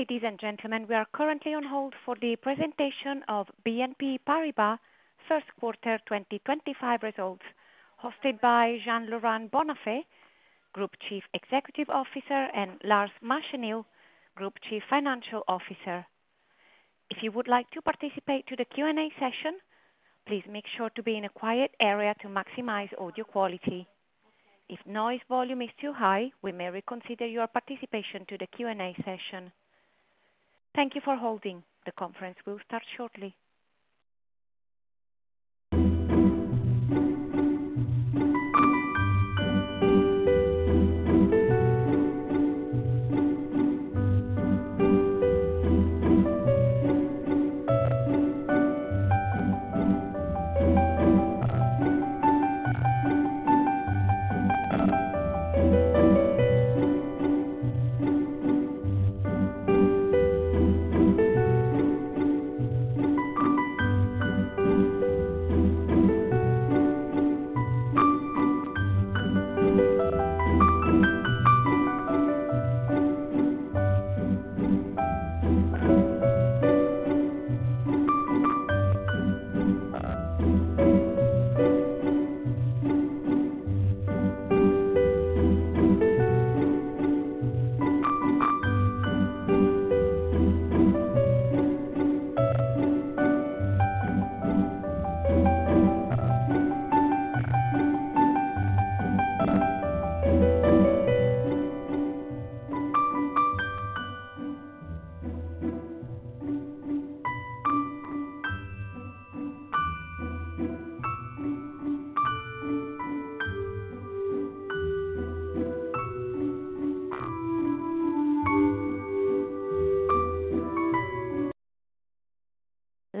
Ladies and gentlemen, we are currently on hold for the presentation of BNP Paribas first quarter 2025 results, hosted by Jean-Laurent Bonnafé, Group Chief Executive Officer, and Lars Machenil, Group Chief Financial Officer. If you would like to participate in the Q&A session, please make sure to be in a quiet area to maximize audio quality. If noise volume is too high, we may reconsider your participation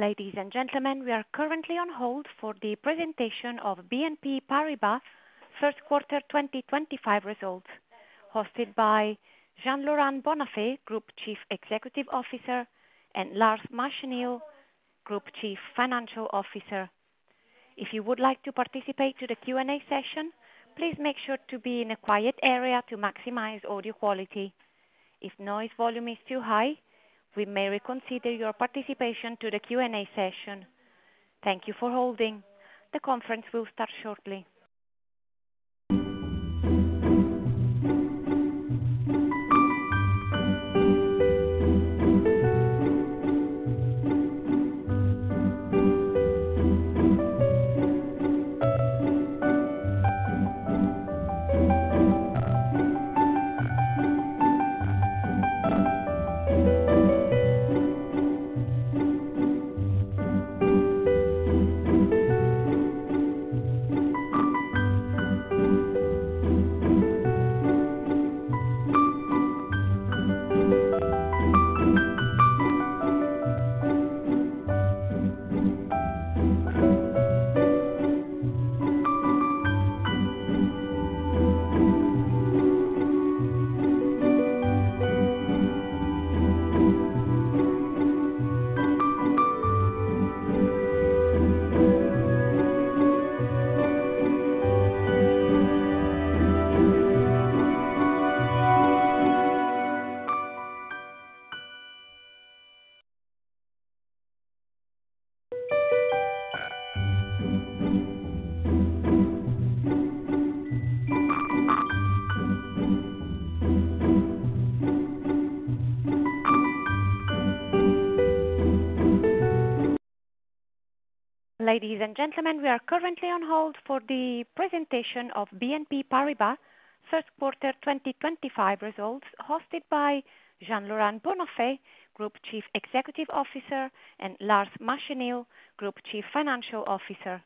in the Q&A session. Thank you for holding. The conference will start shortly. Ladies and gentlemen, we are currently on hold for the presentation of BNP Paribas first quarter 2025 results, hosted by Jean-Laurent Bonnafé, Group Chief Executive Officer, and Lars Machenil, Group Chief Financial Officer.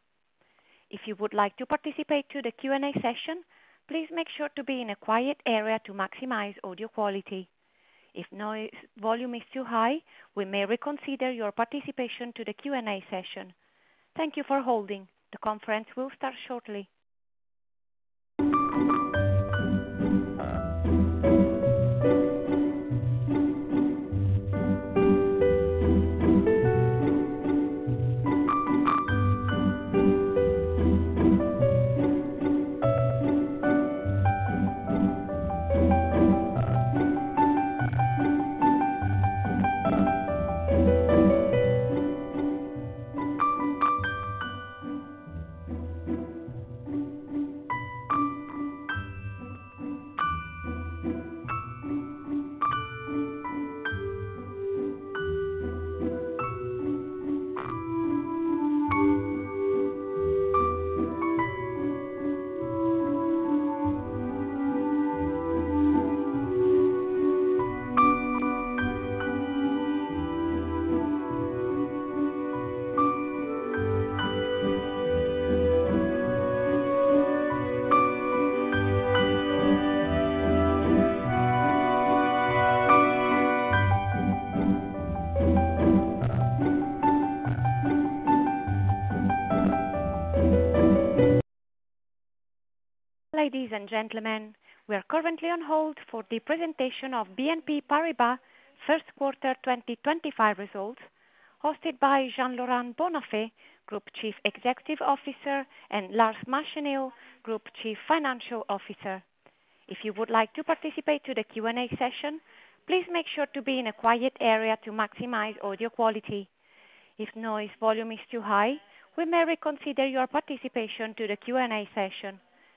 If you would like to participate in the Q&A session, please make sure to be in a quiet area to maximize audio quality. If noise volume is too high, we may reconsider your participation in the Q&A session. Thank you for holding. The conference will start shortly.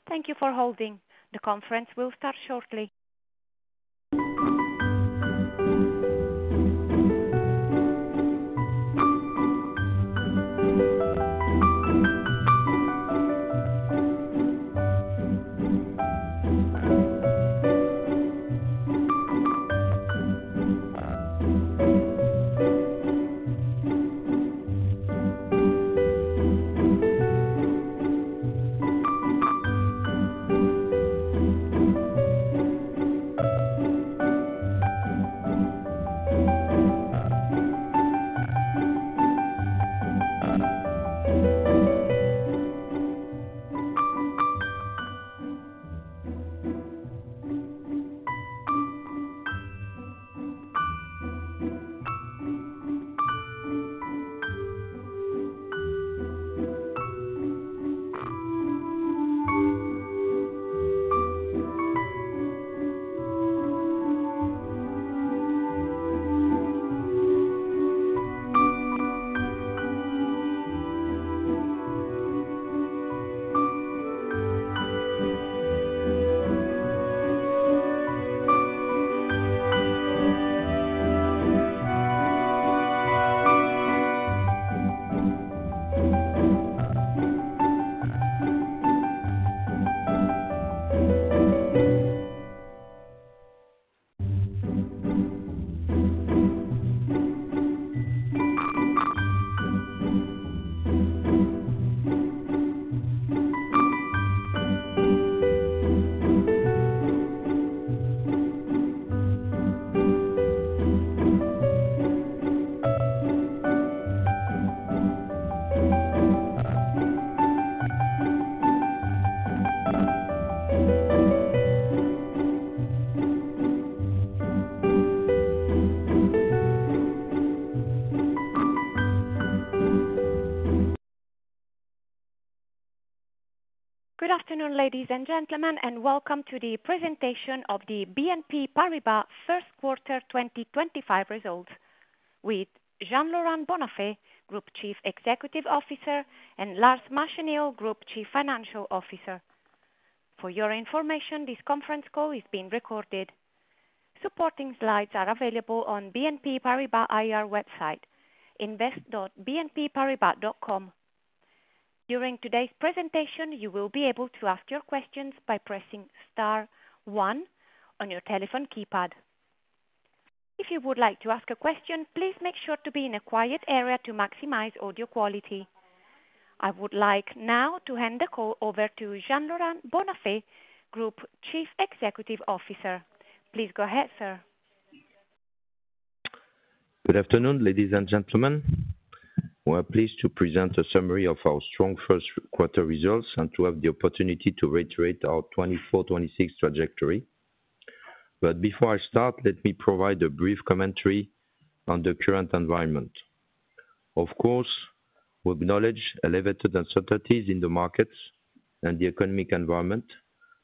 Thank you for holding. The conference will start shortly. Good afternoon, ladies and gentlemen, and welcome to the presentation of the BNP Paribas first quarter 2025 results, with Jean-Laurent Bonnafé, Group Chief Executive Officer, and Lars Machenil, Group Chief Financial Officer. For your information, this conference call is being recorded. Supporting slides are available on the BNP Paribas IR website, invest.bnpparibas.com. During today's presentation, you will be able to ask your questions by pressing *1 on your telephone keypad. If you would like to ask a question, please make sure to be in a quiet area to maximize audio quality. I would like now to hand the call over to Jean-Laurent Bonnafé, Group Chief Executive Officer. Please go ahead, sir. Good afternoon, ladies and gentlemen. We are pleased to present a summary of our strong first quarter results and to have the opportunity to reiterate our 2024-2026 trajectory. Before I start, let me provide a brief commentary on the current environment. Of course, we acknowledge elevated uncertainties in the markets and the economic environment,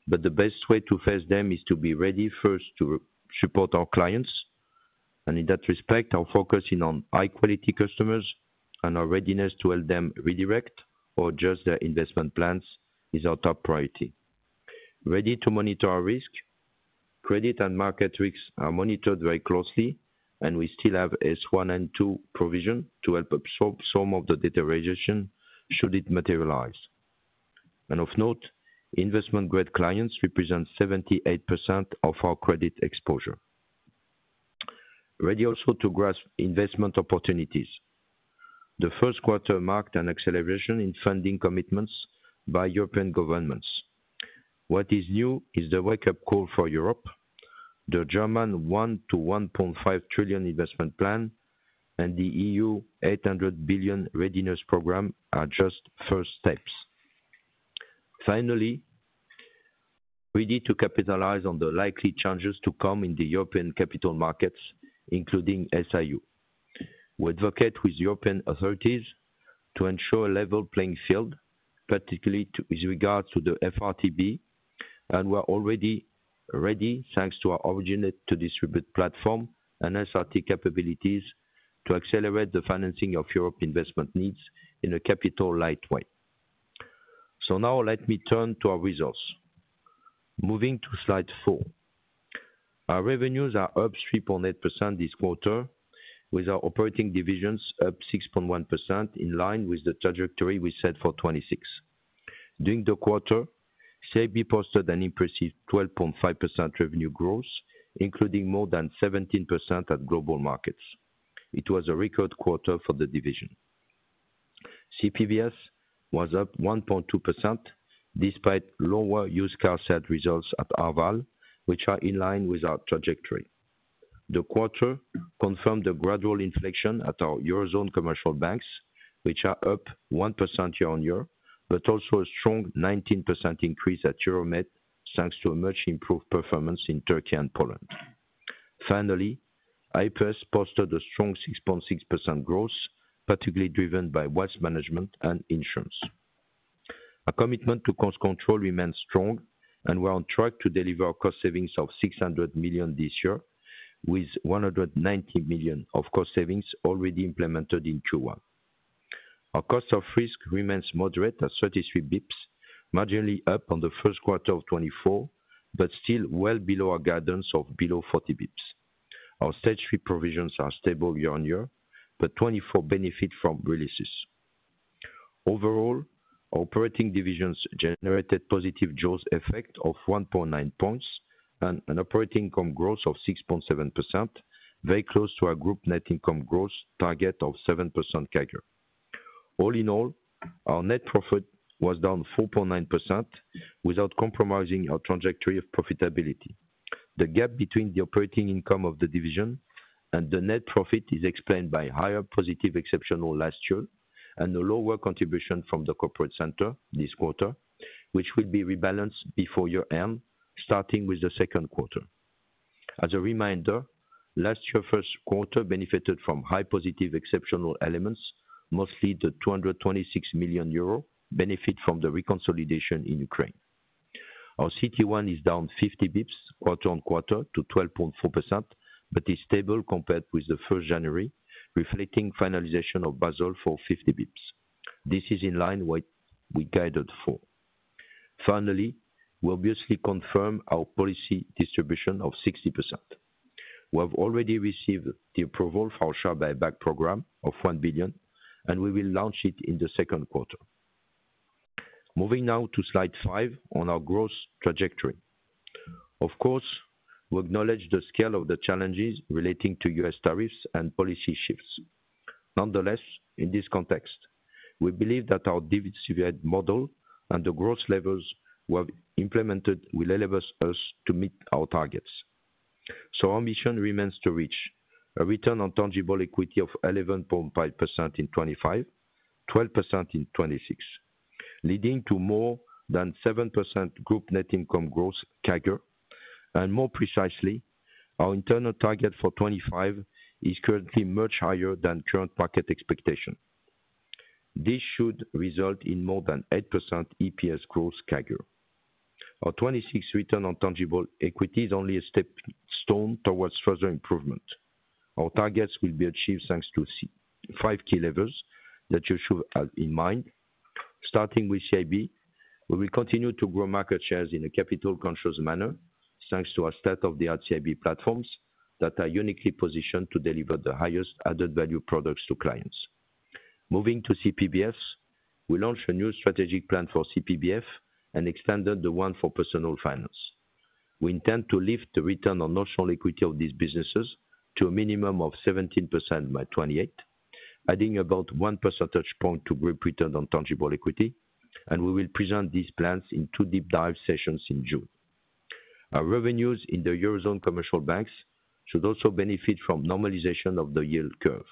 but the best way to face them is to be ready first to support our clients. In that respect, our focus is on high-quality customers, and our readiness to help them redirect or adjust their investment plans is our top priority. Ready to monitor our risk. Credit and market risks are monitored very closely, and we still have S1 and S2 provision to help absorb some of the deterioration should it materialize. Of note, investment-grade clients represent 78% of our credit exposure. Ready also to grasp investment opportunities. The first quarter marked an acceleration in funding commitments by European governments. What is new is the wake-up call for Europe, the German 1 trillion-1.5 trillion investment plan, and the EU 800 billion readiness program are just first steps. Finally, ready to capitalize on the likely changes to come in the European capital markets, including SIU. We advocate with European authorities to ensure a level playing field, particularly with regards to the FRTB, and we are already ready, thanks to our originate-to-distribute platform and SRT capabilities, to accelerate the financing of Europe's investment needs in a capital-light way. Now, let me turn to our results. Moving to slide four, our revenues are up 3.8% this quarter, with our operating divisions up 6.1% in line with the trajectory we set for 2026. During the quarter, SAB posted an impressive 12.5% revenue growth, including more than 17% at Global Markets. It was a record quarter for the division. CPVS was up 1.2% despite lower used car sales results at Arval, which are in line with our trajectory. The quarter confirmed a gradual inflection at our Eurozone commercial banks, which are up 1% year-on-year, but also a strong 19% increase at Euromed, thanks to a much-improved performance in Turkey and Poland. Finally, IPS posted a strong 6.6% growth, particularly driven by wealth management and insurance. Our commitment to cost control remains strong, and we are on track to deliver cost savings of 600 million this year, with 190 million of cost savings already implemented in Q1. Our cost of risk remains moderate at 33 basis points, marginally up on the first quarter of 2024, but still well below our guidance of below 40 basis points. Our stage three provisions are stable year-on-year, but 2024 benefit from releases. Overall, operating divisions generated positive Jaws effect of 1.9 points and an operating income growth of 6.7%, very close to our group net income growth target of 7% CAGR. All in all, our net profit was down 4.9% without compromising our trajectory of profitability. The gap between the operating income of the division and the net profit is explained by higher positive exceptional last year and a lower contribution from the corporate center this quarter, which will be rebalanced before year-end, starting with the second quarter. As a reminder, last year's first quarter benefited from high positive exceptional elements, mostly the 226 million euro benefit from the reconciliation in Ukraine. Our CET1 is down 50 basis points quarter on quarter to 12.4%, but is stable compared with the first January, reflecting finalization of Basel for 50 basis points. This is in line with what we guided for. Finally, we obviously confirm our policy distribution of 60%. We have already received the approval for our Share Buyback Program of 1 billion, and we will launch it in the second quarter. Moving now to slide five on our growth trajectory. Of course, we acknowledge the scale of the challenges relating to US tariffs and policy shifts. Nonetheless, in this context, we believe that our deep-seated model and the growth levels we have implemented will enable us to meet our targets. Our mission remains to reach a return on tangible equity of 11.5% in 2025, 12% in 2026, leading to more than 7% group net income growth CAGR. More precisely, our internal target for 2025 is currently much higher than current market expectation. This should result in more than 8% EPS growth CAGR. Our 2026 return on tangible equity is only a stepping stone towards further improvement. Our targets will be achieved thanks to five key levers that you should have in mind. Starting with CIB, we will continue to grow market shares in a capital-conscious manner thanks to our state-of-the-art CIB platforms that are uniquely positioned to deliver the highest added value products to clients. Moving to CPBF, we launched a new strategic plan for CPBF and extended the one for Personal Finance. We intend to lift the return on national equity of these businesses to a minimum of 17% by 2028, adding about one percentage point to group return on tangible equity, and we will present these plans in two deep-dive sessions in June. Our revenues in the Eurozone commercial banks should also benefit from normalization of the yield curve.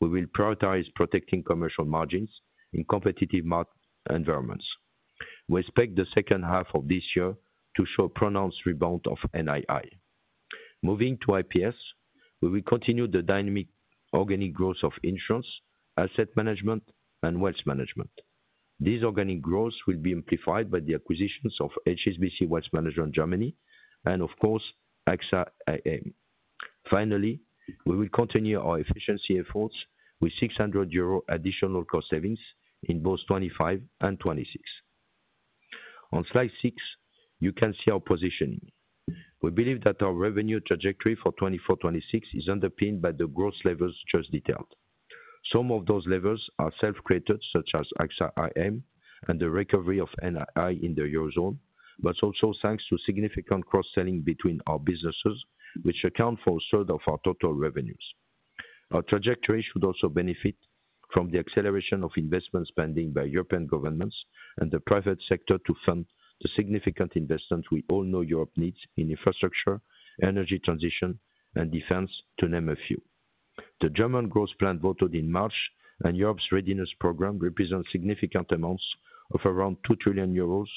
We will prioritize protecting commercial margins in competitive market environments. We expect the second half of this year to show a pronounced rebound of NII. Moving to IPS, we will continue the dynamic organic growth of insurance, asset management, and wealth management. These organic growths will be amplified by the acquisitions of HSBC Wealth Management Germany and, of course, AXA IM. Finally, we will continue our efficiency efforts with 600 million euro additional cost savings in both 2025 and 2026. On slide six, you can see our positioning. We believe that our revenue trajectory for 2024-2026 is underpinned by the growth levels just detailed. Some of those levers are self-created, such as AXA IM and the recovery of NII in the Eurozone, but also thanks to significant cross-selling between our businesses, which account for a third of our total revenues. Our trajectory should also benefit from the acceleration of investment spending by European governments and the private sector to fund the significant investment we all know Europe needs in infrastructure, energy transition, and defense, to name a few. The German growth plan voted in March, and Europe's readiness program represents significant amounts of around 2 trillion euros,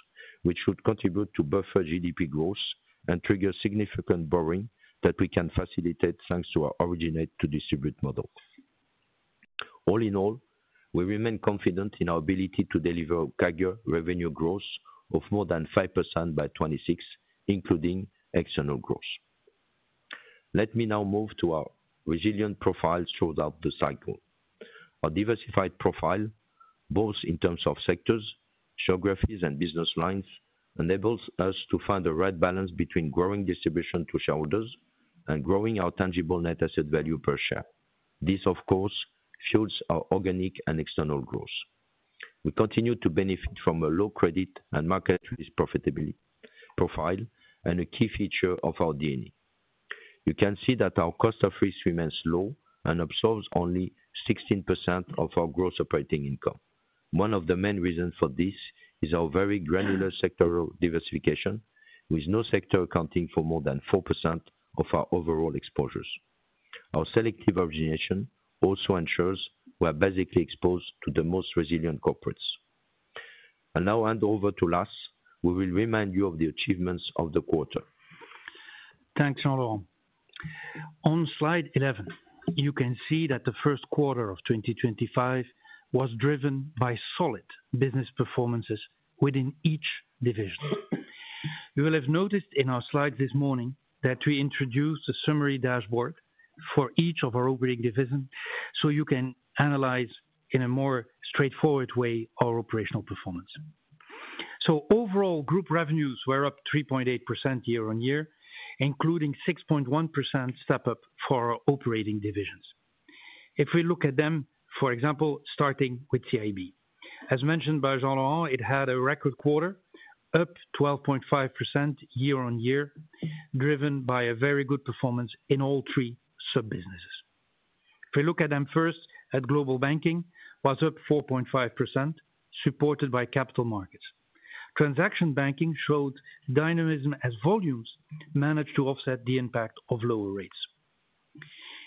which should contribute to buffer GDP growth and trigger significant borrowing that we can facilitate thanks to our originate-to-distribute model. All in all, we remain confident in our ability to deliver CAGR revenue growth of more than 5% by 2026, including external growth. Let me now move to our resilient profile throughout the cycle. Our diversified profile, both in terms of sectors, geographies, and business lines, enables us to find a right balance between growing distribution to shareholders and growing our tangible net asset value per share. This, of course, fuels our organic and external growth. We continue to benefit from a low credit and market-risk profitability profile and a key feature of our DNA. You can see that our cost of risk remains low and absorbs only 16% of our gross operating income. One of the main reasons for this is our very granular sectoral diversification, with no sector accounting for more than 4% of our overall exposures. Our selective origination also ensures we are basically exposed to the most resilient corporates. I now hand over to Lars, who will remind you of the achievements of the quarter. Thanks, Jean-Laurent. On slide 11, you can see that the first quarter of 2025 was driven by solid business performances within each division. You will have noticed in our slides this morning that we introduced a summary dashboard for each of our operating divisions so you can analyze in a more straightforward way our operational performance. Overall, group revenues were up 3.8% year-on-year, including a 6.1% step-up for our operating divisions. If we look at them, for example, starting with CIB, as mentioned by Jean-Laurent, it had a record quarter, up 12.5% year-on-year, driven by a very good performance in all three sub-businesses. If we look at them first, at Global Banking, it was up 4.5%, supported by capital markets. Transaction Banking showed dynamism as volumes managed to offset the impact of lower rates.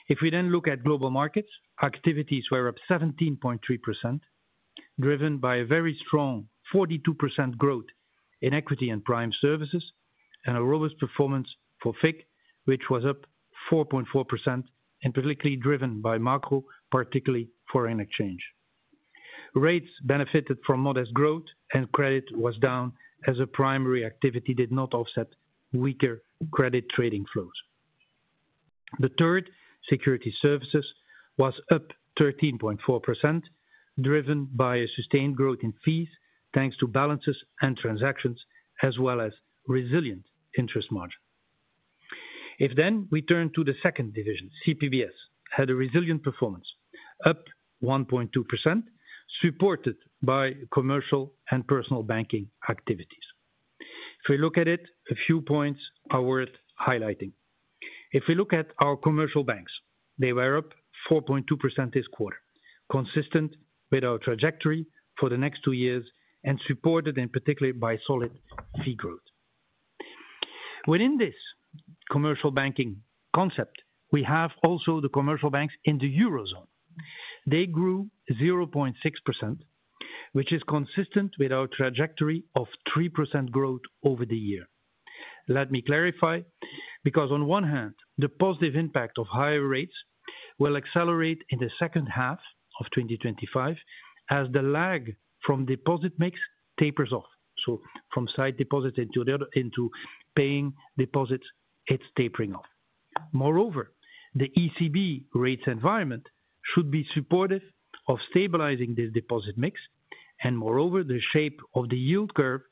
If we then look at Global Markets, activities were up 17.3%, driven by a very strong 42% growth in equity and prime services, and a robust performance for FICC, which was up 4.4%, and particularly driven by macro, particularly foreign exchange. Rates benefited from modest growth, and credit was down as a primary activity did not offset weaker credit trading flows. The third, Security Services, was up 13.4%, driven by a sustained growth in fees thanks to balances and transactions, as well as resilient interest margins. If then we turn to the second division, CPBS, it had a resilient performance, up 1.2%, supported by Commercial and Personal Banking activities. If we look at it, a few points are worth highlighting. If we look at our commercial banks, they were up 4.2% this quarter, consistent with our trajectory for the next two years and supported, in particular, by solid fee growth. Within this commercial banking concept, we have also the commercial banks in the Eurozone. They grew 0.6%, which is consistent with our trajectory of 3% growth over the year. Let me clarify, because on one hand, the positive impact of higher rates will accelerate in the second half of 2025 as the lag from deposit mix tapers off. From side deposit into paying deposits, it is tapering off. Moreover, the ECB rates environment should be supportive of stabilizing this deposit mix, and moreover, the shape of the yield curve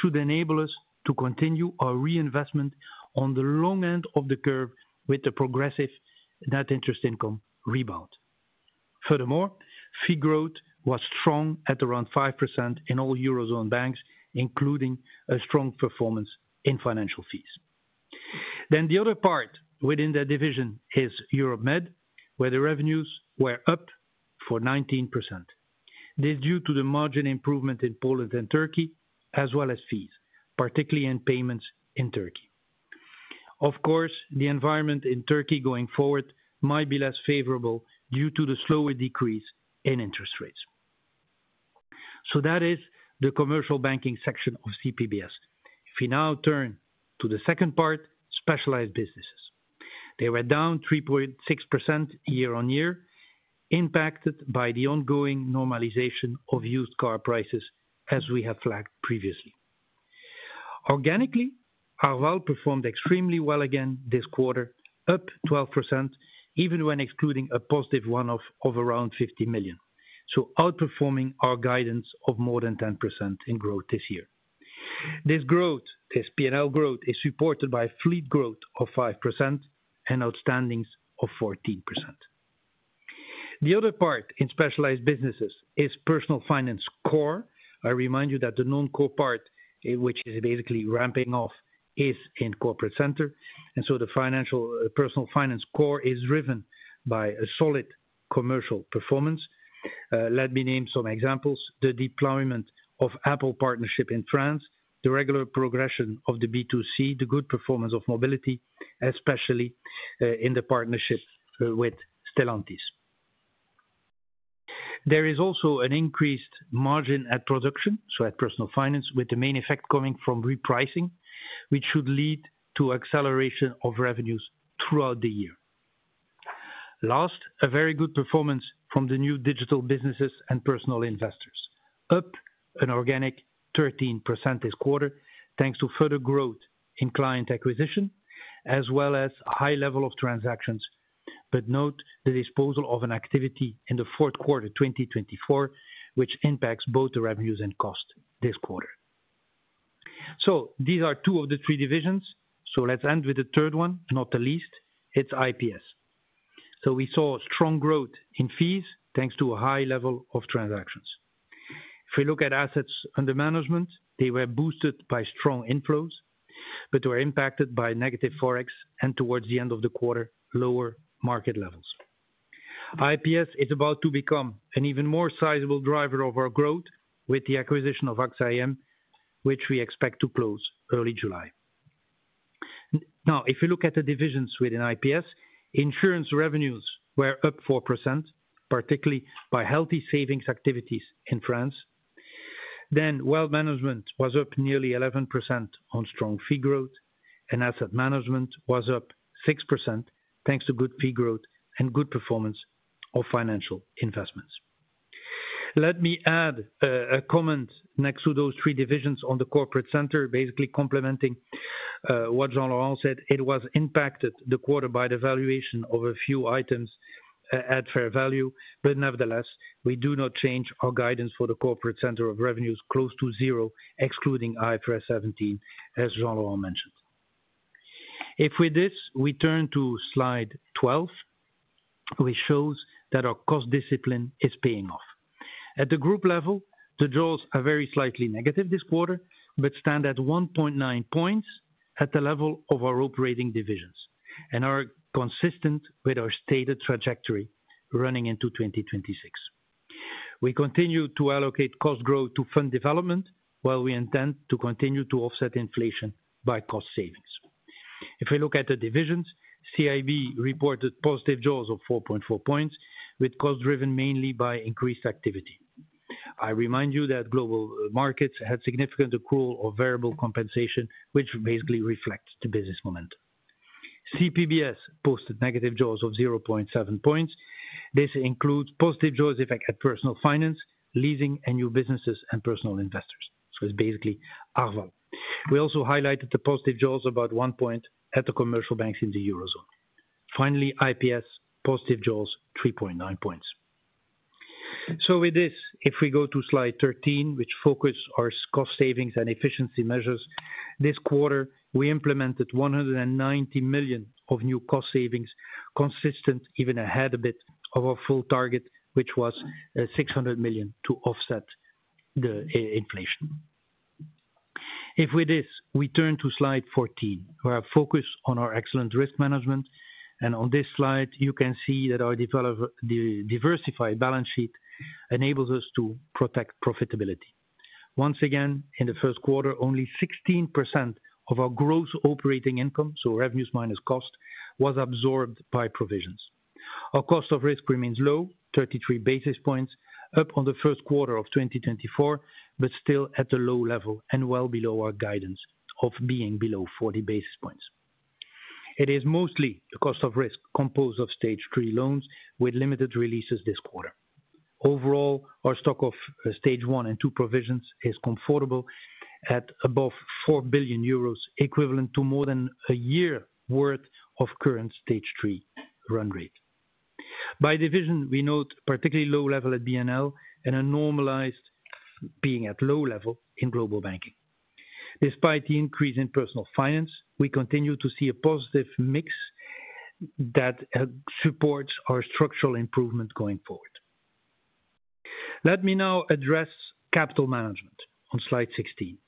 should enable us to continue our reinvestment on the long end of the curve with the progressive net interest income rebound. Furthermore, fee growth was strong at around 5% in all Eurozone banks, including a strong performance in financial fees. The other part within that division is Europe Med, where the revenues were up 19%. This is due to the margin improvement in Poland and Turkey, as well as fees, particularly in payments in Turkey. Of course, the environment in Turkey going forward might be less favorable due to the slower decrease in interest rates. That is the commercial banking section of CPBS. If we now turn to the second part, specialized businesses, they were down 3.6% year-on-year, impacted by the ongoing normalization of used car prices, as we have flagged previously. Organically, Arval performed extremely well again this quarter, up 12%, even when excluding a positive one-off of around 50 million, so outperforming our guidance of more than 10% in growth this year. This growth, this P&L growth, is supported by fleet growth of 5% and outstandings of 14%. The other part in specialized businesses is personal finance core. I remind you that the non-core part, which is basically ramping off, is in Corporate Center. The Personal Finance Core is driven by a solid commercial performance. Let me name some examples: the deployment of Apple Partnership in France, the regular progression of the B2C, the good performance of Mobility, especially in the partnership with Stellantis. There is also an increased margin at production, at Personal Finance, with the main effect coming from repricing, which should lead to acceleration of revenues throughout the year. Last, a very good performance from the new digital businesses and personal investors, up an organic 13% this quarter thanks to further growth in client acquisition, as well as a high level of transactions. Note the disposal of an activity in the fourth quarter 2024, which impacts both the revenues and costs this quarter. These are two of the three divisions. Let's end with the third one, not the least. It's IPS. We saw strong growth in fees thanks to a high level of transactions. If we look at assets under management, they were boosted by strong inflows, but were impacted by negative forex and towards the end of the quarter, lower market levels. IPS is about to become an even more sizable driver of our growth with the acquisition of AXA Investment Managers, which we expect to close early July. Now, if we look at the divisions within IPS, insurance revenues were up 4%, particularly by healthy savings activities in France. Wealth management was up nearly 11% on strong fee growth, and asset management was up 6% thanks to good fee growth and good performance of financial investments. Let me add a comment next to those three divisions on the corporate center, basically complementing what Jean-Laurent Bonnafé said. It was impacted the quarter by the valuation of a few items at fair value. Nevertheless, we do not change our guidance for the corporate center of revenues close to zero, excluding IFRS 17, as Jean-Laurent mentioned. If with this we turn to slide 12, which shows that our cost discipline is paying off. At the group level, the jaws are very slightly negative this quarter, but stand at 1.9 points at the level of our operating divisions and are consistent with our stated trajectory running into 2026. We continue to allocate cost growth to fund development while we intend to continue to offset inflation by cost savings. If we look at the divisions, CIB reported positive jaws of 4.4 points, with costs driven mainly by increased activity. I remind you that Global Markets had significant accrual of variable compensation, which basically reflects the business momentum. CPBS posted negative draws of 0.7 percentage points. This includes positive draws effect at Personal Finance, leasing, and new businesses and personal investors. It is basically Arval. We also highlighted the positive draws of about 1 percentage point at the commercial banks in the Eurozone. Finally, IPS positive draws 3.9 percentage points. If we go to slide 13, which focuses on cost savings and efficiency measures, this quarter we implemented 190 million of new cost savings, consistent even ahead a bit of our full target, which was 600 million to offset the inflation. If we turn to slide 14, we have focus on our excellent risk management. On this slide, you can see that our diversified balance sheet enables us to protect profitability. Once again, in the first quarter, only 16% of our gross operating income, so revenues minus cost, was absorbed by provisions. Our cost of risk remains low, 33 basis points, up on the first quarter of 2024, but still at a low level and well below our guidance of being below 40 basis points. It is mostly the cost of risk composed of stage three loans with limited releases this quarter. Overall, our stock of stage one and two provisions is comfortable at above 4 billion euros, equivalent to more than a year's worth of current stage three run rate. By division, we note particularly low level at BNL and a normalized being at low level in Global Banking. Despite the increase in Personal Finance, we continue to see a positive mix that supports our structural improvement going forward. Let me now address capital management on slide 16.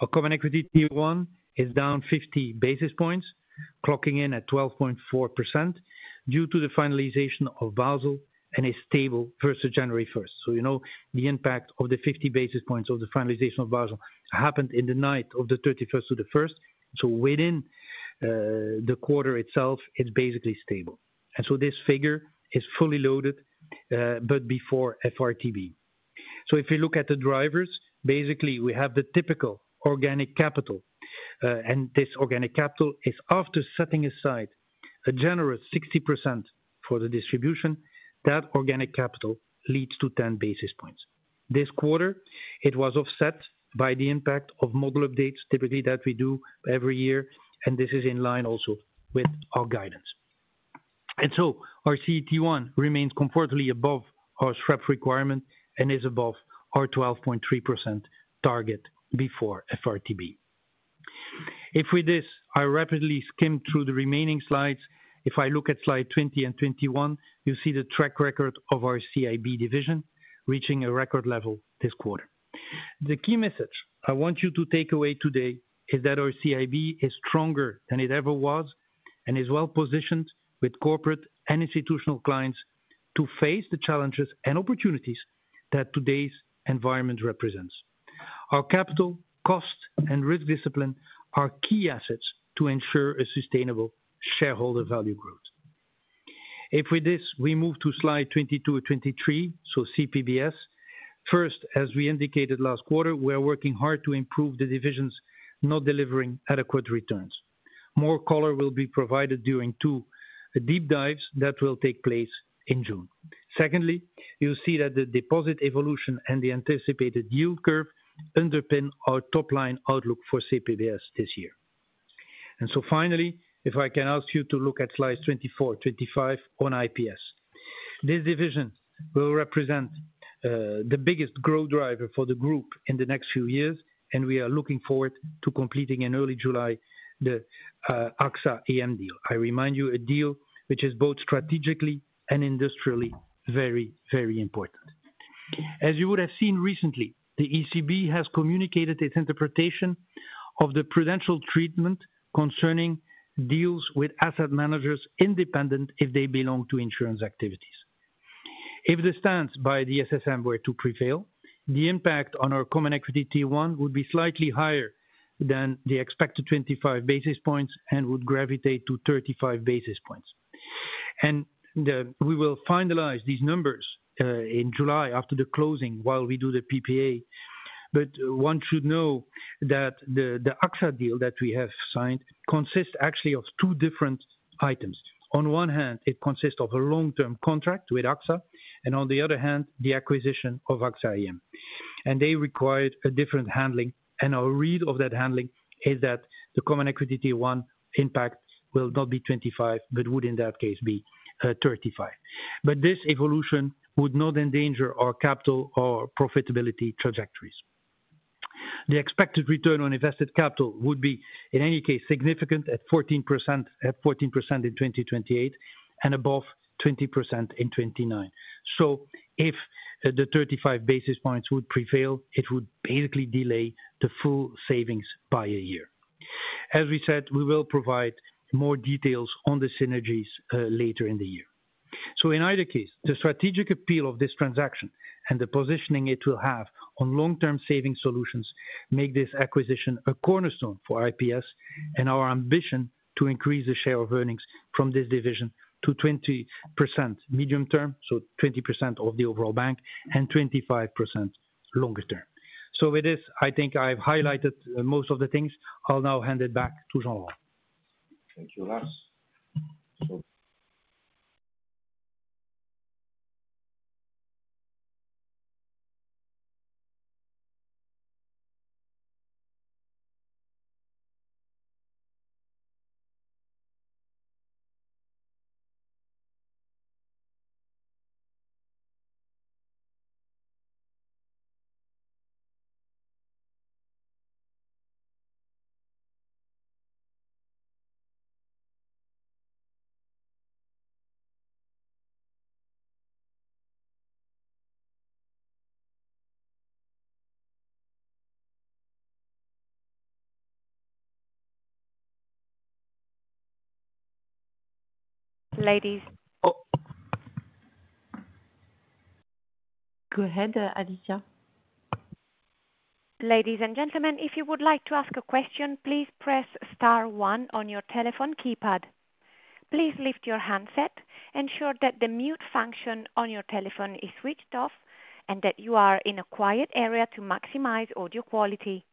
Our common equity Tier 1 is down 50 basis points, clocking in at 12.4% due to the finalization of Basel and a stable first of January 1st. You know the impact of the 50 basis points of the finalization of Basel happened in the night of the 31st to the 1st. Within the quarter itself, it is basically stable. This figure is fully loaded, but before FRTB. If we look at the drivers, basically we have the typical organic capital. This organic capital is after setting aside a generous 60% for the distribution, that organic capital leads to 10 basis points. This quarter, it was offset by the impact of model updates, typically that we do every year. This is in line also with our guidance. Our CET1 remains comfortably above our SREP requirement and is above our 12.3% target before FRTB. If with this, I rapidly skim through the remaining slides. If I look at slide 20 and 21, you see the track record of our CIB division reaching a record level this quarter. The key message I want you to take away today is that our CIB is stronger than it ever was and is well positioned with corporate and institutional clients to face the challenges and opportunities that today's environment represents. Our capital, cost, and risk discipline are key assets to ensure a sustainable shareholder value growth. If with this we move to slide 22 or 23, so CPBS, first, as we indicated last quarter, we are working hard to improve the divisions, not delivering adequate returns. More color will be provided during two deep dives that will take place in June. Secondly, you'll see that the deposit evolution and the anticipated yield curve underpin our top line outlook for CPBS this year. Finally, if I can ask you to look at slides 24, 25 on IPS, this division will represent the biggest growth driver for the group in the next few years, and we are looking forward to completing in early July the AXA IM deal. I remind you, a deal which is both strategically and industrially very, very important. As you would have seen recently, the ECB has communicated its interpretation of the prudential treatment concerning deals with asset managers independent if they belong to insurance activities. If the stance by the SSM were to prevail, the impact on our common equity Tier 1 would be slightly higher than the expected 25 basis points and would gravitate to 35 basis points. We will finalize these numbers in July after the closing while we do the PPA. One should know that the AXA deal that we have signed consists actually of two different items. On one hand, it consists of a long-term contract with AXA, and on the other hand, the acquisition of AXA Investment Managers. They required a different handling. Our read of that handling is that the common equity Tier 1 impact will not be 25, but would in that case be 35. This evolution would not endanger our capital or profitability trajectories. The expected return on invested capital would be, in any case, significant at 14% in 2028 and above 20% in 2029. If the 35 basis points would prevail, it would basically delay the full savings by a year. As we said, we will provide more details on the synergies later in the year. In either case, the strategic appeal of this transaction and the positioning it will have on long-term savings solutions make this acquisition a cornerstone for IPS and our ambition to increase the share of earnings from this division to 20% medium term, 20% of the overall bank, and 25% longer term. I think I've highlighted most of the things. I'll now hand it back to Jean-Laurent. Thank you, Lars. Ladies. Go ahead, Alicia. Ladies and gentlemen, if you would like to ask a question, please press star one on your telephone keypad. Please lift your handset, ensure that the mute function on your telephone is switched off, and that you are in a quiet area to maximize audio quality.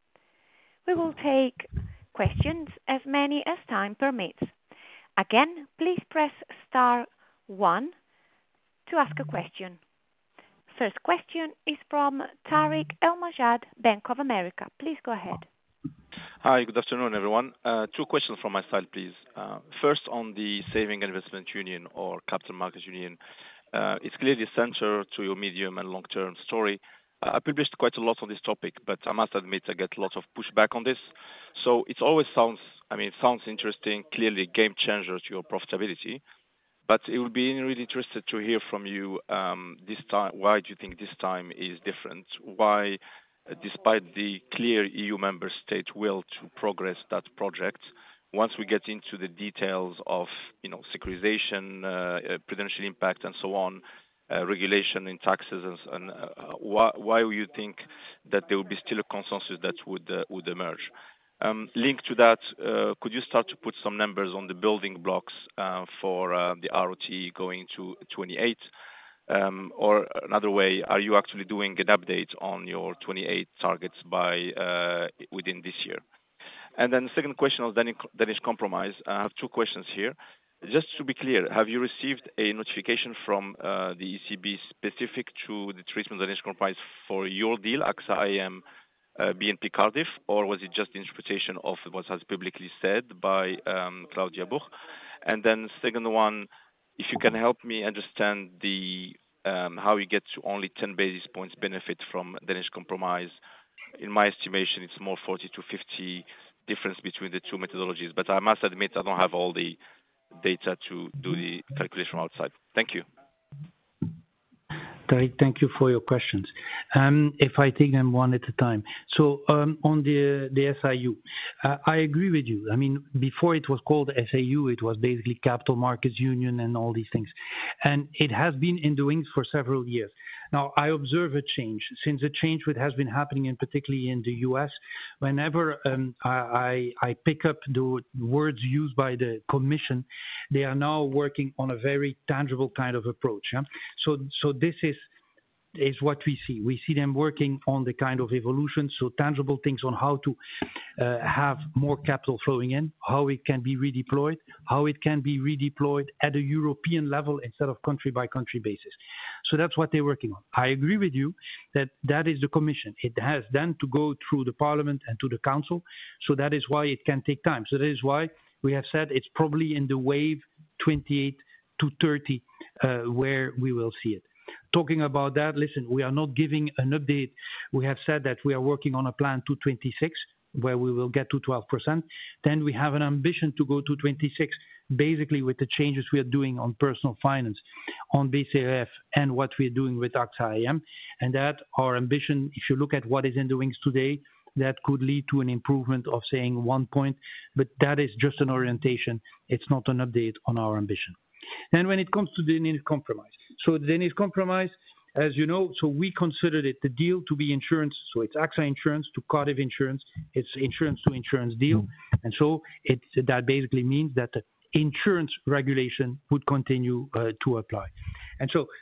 We will take questions as many as time permits. Again, please press star one to ask a question. First question is from Tarik El Mejjad, Bank of America. Please go ahead. Hi, good afternoon, everyone. Two questions from my side, please. First, on the saving investment union or capital markets union, it's clearly central to your medium and long-term story. I published quite a lot on this topic, but I must admit I get a lot of pushback on this. It always sounds, I mean, it sounds interesting, clearly a game changer to your profitability. It would be really interesting to hear from you this time, why do you think this time is different? Why, despite the clear EU member state will to progress that project, once we get into the details of securitization, prudential impact, and so on, regulation and taxes, why do you think that there would be still a consensus that would emerge? Linked to that, could you start to put some numbers on the building blocks for the ROT going to 2028? Are you actually doing an update on your 2028 targets within this year? The second question on Danish compromise, I have two questions here. Just to be clear, have you received a notification from the ECB specific to the treatment of Danish compromise for your deal, AXA Investment Managers, BNP Paribas? Or was it just the interpretation of what has publicly said by Claudia Bourg? The second one, if you can help me understand how you get to only 10 basis points benefit from Danish compromise, in my estimation, it is more 40-50 difference between the two methodologies. I must admit I do not have all the data to do the calculation outside. Thank you. Tariq, thank you for your questions. If I take them one at a time. On the SIU, I agree with you. I mean, before it was called SIU, it was basically capital markets union and all these things. It has been in doing for several years. Now, I observe a change. Since the change has been happening, and particularly in the U.S., whenever I pick up the words used by the commission, they are now working on a very tangible kind of approach. This is what we see. We see them working on the kind of evolution, tangible things on how to have more capital flowing in, how it can be redeployed, how it can be redeployed at a European level instead of country-by-country basis. That is what they are working on. I agree with you that that is the commission. It has then to go through the parliament and to the council. That is why it can take time. That is why we have said it's probably in the wave 28-30 where we will see it. Talking about that, listen, we are not giving an update. We have said that we are working on a plan to 2026 where we will get to 12%. Then we have an ambition to go to 2026, basically with the changes we are doing on personal finance, on BCF, and what we are doing with AXA Investment Managers. That is our ambition. If you look at what is in doings today, that could lead to an improvement of saying one point. That is just an orientation. It's not an update on our ambition. When it comes to Danish Compromise, so Danish Compromise, as you know, we considered it the deal to be insurance, so it's AXA insurance to Cardiff insurance, it's insurance to insurance deal. That basically means that insurance regulation would continue to apply.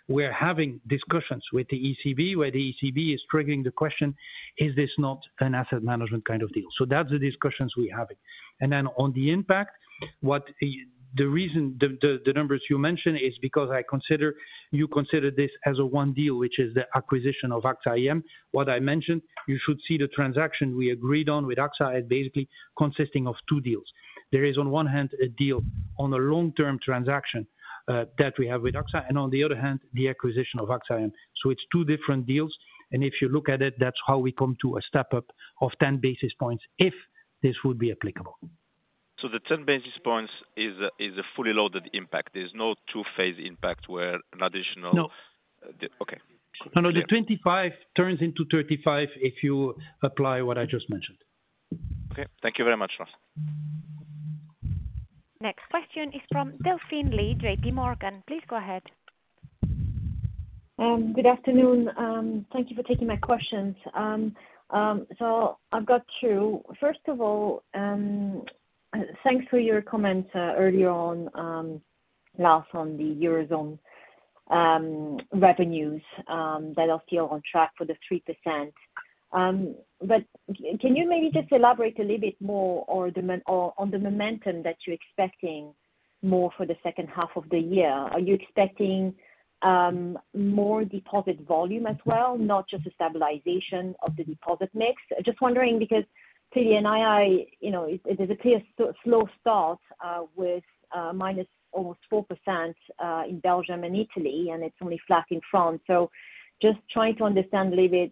We are having discussions with the ECB, where the ECB is triggering the question, is this not an asset management kind of deal? That's the discussions we have. On the impact, the reason the numbers you mentioned is because I consider you consider this as one deal, which is the acquisition of AXA IM. What I mentioned, you should see the transaction we agreed on with AXA is basically consisting of two deals. There is on one hand a deal on a long-term transaction that we have with AXA, and on the other hand, the acquisition of AXA IM. It is two different deals. If you look at it, that is how we come to a step up of 10 basis points if this would be applicable. The 10 basis points is a fully loaded impact. There is no two-phase impact where an additional. No. Okay. No, no, the 25 turns into 35 if you apply what I just mentioned. Okay. Thank you very much, Lars. Next question is from Delphine Lee, JPMorgan. Please go ahead. Good afternoon. Thank you for taking my questions. I have two. First of all, thanks for your comments earlier on, Lars, on the eurozone revenues that are still on track for the 3%. Can you maybe just elaborate a little bit more on the momentum that you're expecting more for the second half of the year? Are you expecting more deposit volume as well, not just a stabilization of the deposit mix? Just wondering because to the NII, it is a clear slow start with minus almost 4% in Belgium and Italy, and it's only flat in France. Just trying to understand a little bit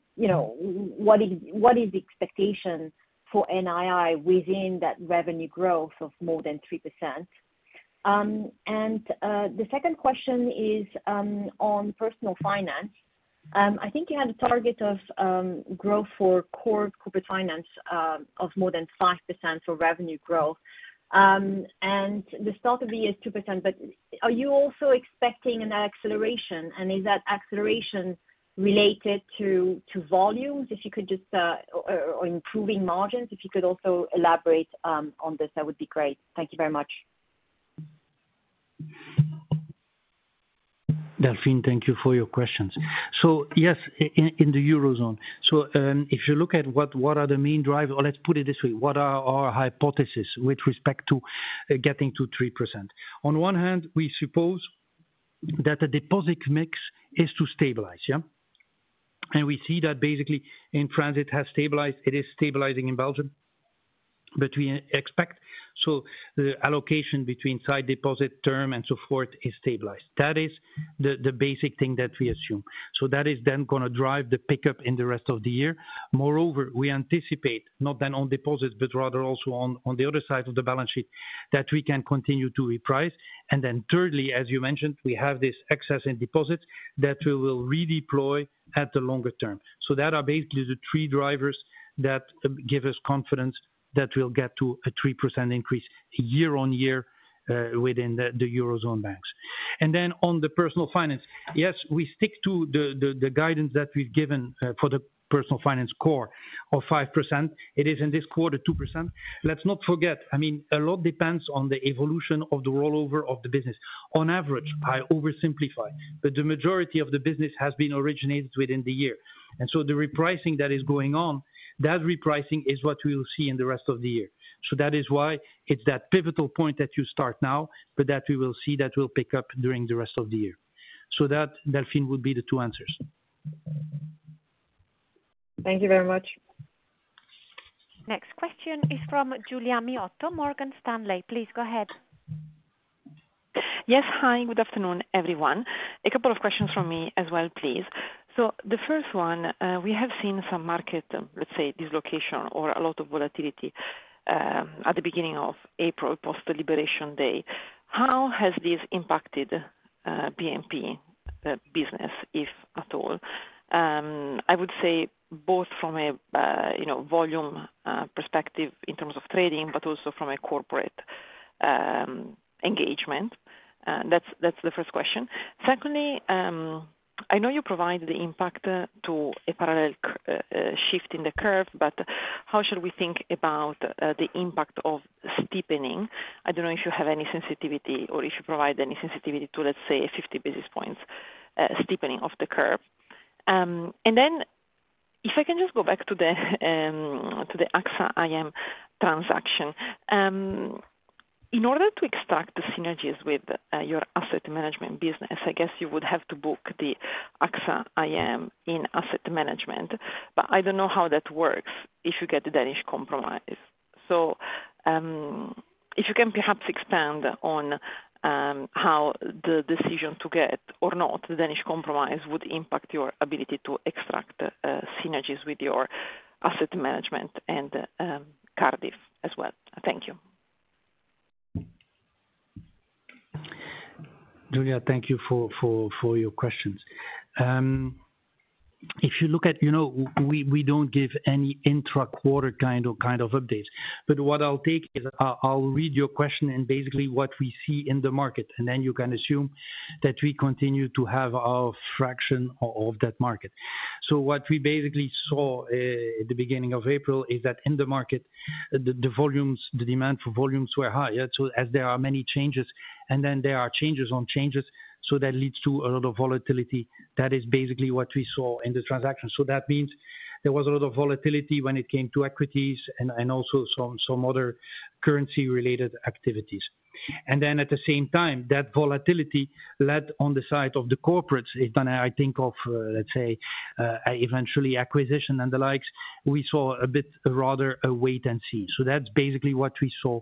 what is the expectation for NII within that revenue growth of more than 3%. The second question is on personal finance. I think you had a target of growth for core corporate finance of more than 5% for revenue growth. The start of the year is 2%. Are you also expecting an acceleration? Is that acceleration related to volumes? If you could just, or improving margins, if you could also elaborate on this, that would be great. Thank you very much. Delphine, thank you for your questions. Yes, in the eurozone. If you look at what are the main drives, or let's put it this way, what are our hypotheses with respect to getting to 3%? On one hand, we suppose that the deposit mix is to stabilize. We see that basically in France it has stabilized. It is stabilizing in Belgium, but we expect the allocation between side deposit, term, and so forth is stabilized. That is the basic thing that we assume. That is then going to drive the pickup in the rest of the year. Moreover, we anticipate, not then on deposits, but rather also on the other side of the balance sheet, that we can continue to reprice. Thirdly, as you mentioned, we have this excess in deposits that we will redeploy at the longer term. Those are basically the three drivers that give us confidence that we'll get to a 3% increase year on year within the eurozone banks. On the personal finance, yes, we stick to the guidance that we've given for the personal finance core of 5%. It is in this quarter 2%. Let's not forget, I mean, a lot depends on the evolution of the rollover of the business. On average, I oversimplify, but the majority of the business has been originated within the year. The repricing that is going on, that repricing is what we will see in the rest of the year. That is why it's that pivotal point that you start now, but that we will see that will pick up during the rest of the year. That, Delphine, would be the two answers. Thank you very much. Next question is from Giulia Miotto, Morgan Stanley. Please go ahead. Yes, hi, good afternoon, everyone. A couple of questions from me as well, please. The first one, we have seen some market, let's say, dislocation or a lot of volatility at the beginning of April post-liberation day. How has this impacted BNP Paribas business, if at all? I would say both from a volume perspective in terms of trading, but also from a corporate engagement. That's the first question. Secondly, I know you provide the impact to a parallel shift in the curve, but how should we think about the impact of steepening? I don't know if you have any sensitivity or if you provide any sensitivity to, let's say, 50 basis points steepening of the curve. If I can just go back to the AXA IM transaction, in order to extract the synergies with your asset management business, I guess you would have to book the AXA IM in asset management. I don't know how that works if you get the Danish compromise. If you can perhaps expand on how the decision to get or not the Danish compromise would impact your ability to extract synergies with your asset management and Cardiff as well. Thank you. Giulia, thank you for your questions. If you look at, you know, we don't give any intra-quarter kind of updates. What I'll take is I'll read your question and basically what we see in the market. You can assume that we continue to have our fraction of that market. What we basically saw at the beginning of April is that in the market, the volumes, the demand for volumes were high. As there are many changes, and then there are changes on changes, that leads to a lot of volatility. That is basically what we saw in the transaction. That means there was a lot of volatility when it came to equities and also some other currency-related activities. At the same time, that volatility led on the side of the corporates. I think of, let's say, eventually acquisition and the likes, we saw a bit rather a wait and see. That is basically what we saw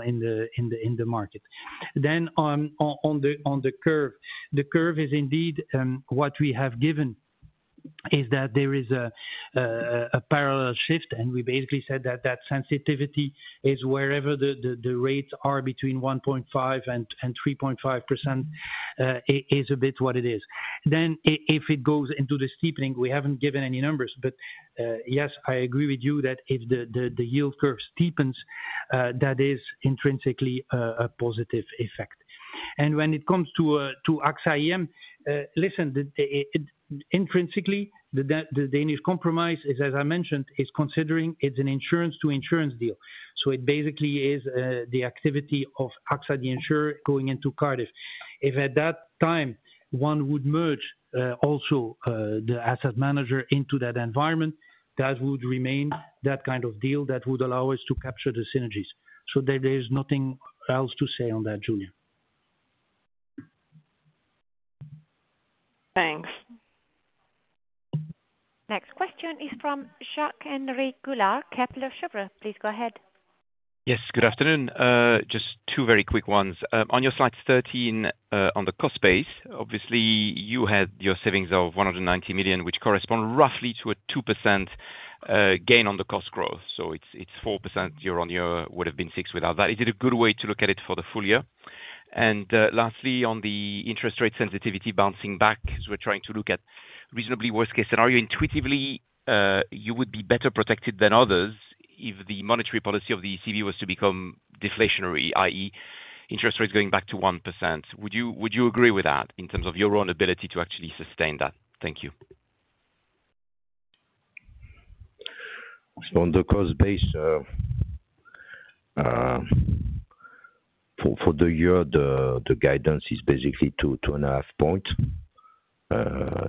in the market. On the curve, the curve is indeed what we have given is that there is a parallel shift. We basically said that that sensitivity is wherever the rates are between 1.5% and 3.5% is a bit what it is. If it goes into the steepening, we haven't given any numbers. Yes, I agree with you that if the yield curve steepens, that is intrinsically a positive effect. When it comes to AXA IM, listen, intrinsically, the Danish compromise is, as I mentioned, it's considering it's an insurance-to-insurance deal. It basically is the activity of AXA the insurer going into Cardiff. If at that time one would merge also the asset manager into that environment, that would remain that kind of deal that would allow us to capture the synergies. There's nothing else to say on that, Giulia. Thanks. Next question is from Jacques-Henri Gaulard, Kepler Cheuvreux. Please go ahead. Yes, good afternoon. Just two very quick ones. On your slide 13 on the cost base, obviously you had your savings of 190 million, which correspond roughly to a 2% gain on the cost growth. So it's 4% year on year, would have been 6% without that. Is it a good way to look at it for the full year? Lastly, on the interest rate sensitivity bouncing back, as we're trying to look at reasonably worst-case scenario, intuitively you would be better protected than others if the monetary policy of the ECB was to become deflationary, i.e., interest rates going back to 1%. Would you agree with that in terms of your own ability to actually sustain that? Thank you. On the cost base, for the year, the guidance is basically 2.5 percentage points,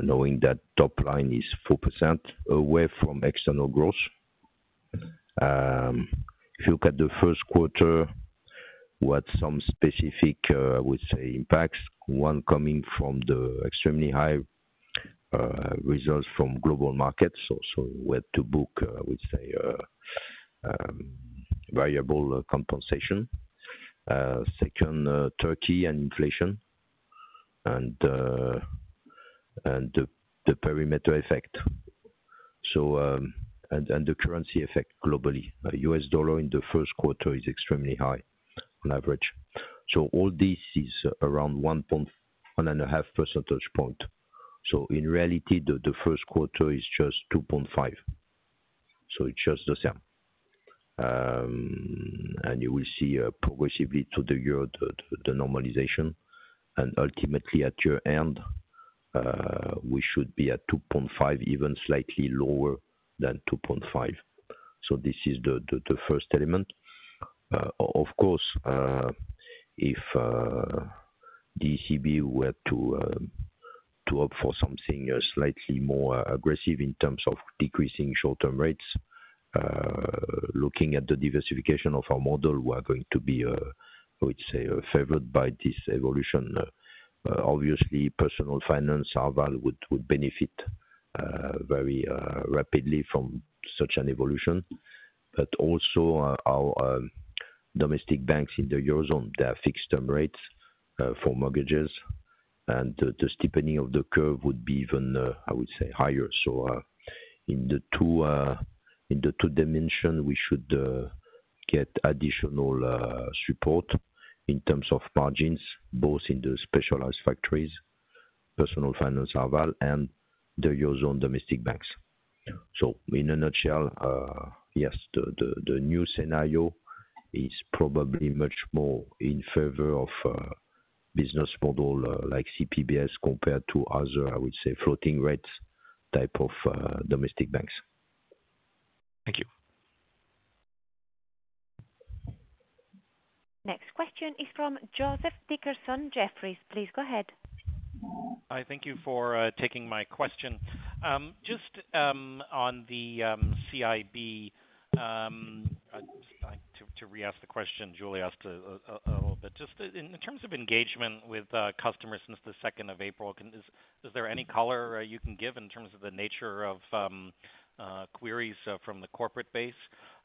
knowing that top line is 4% away from external growth. If you look at the first quarter, what some specific, I would say, impacts, one coming from the extremely high results from Global Markets. We had to book, I would say, variable compensation. Second, Turkey and inflation and the perimeter effect. And the currency effect globally. US dollar in the first quarter is extremely high on average. All this is around 1.5 percentage points. In reality, the first quarter is just 2.5. It is just the same. You will see progressively to the year, the normalization. Ultimately, at year end, we should be at 2.5, even slightly lower than 2.5. This is the first element. Of course, if the ECB were to opt for something slightly more aggressive in terms of decreasing short-term rates, looking at the diversification of our model, we are going to be, I would say, favored by this evolution. Obviously, Personal Finance, Arval would benefit very rapidly from such an evolution. Also, our domestic banks in the eurozone, they have fixed term rates for mortgages. The steepening of the curve would be even, I would say, higher. In the two dimensions, we should get additional support in terms of margins, both in the specialized factories, Personal Finance, Arval, and the eurozone domestic banks. In a nutshell, yes, the new scenario is probably much more in favor of business model like CPBS compared to other, I would say, floating rates type of domestic banks. Thank you. Next question is from Joseph Dickerson, Jefferies. Please go ahead. Hi, thank you for taking my question. Just on the CIB, to re-ask the question Giulia asked a little bit. Just in terms of engagement with customers since the 2nd of April, is there any color you can give in terms of the nature of queries from the corporate base,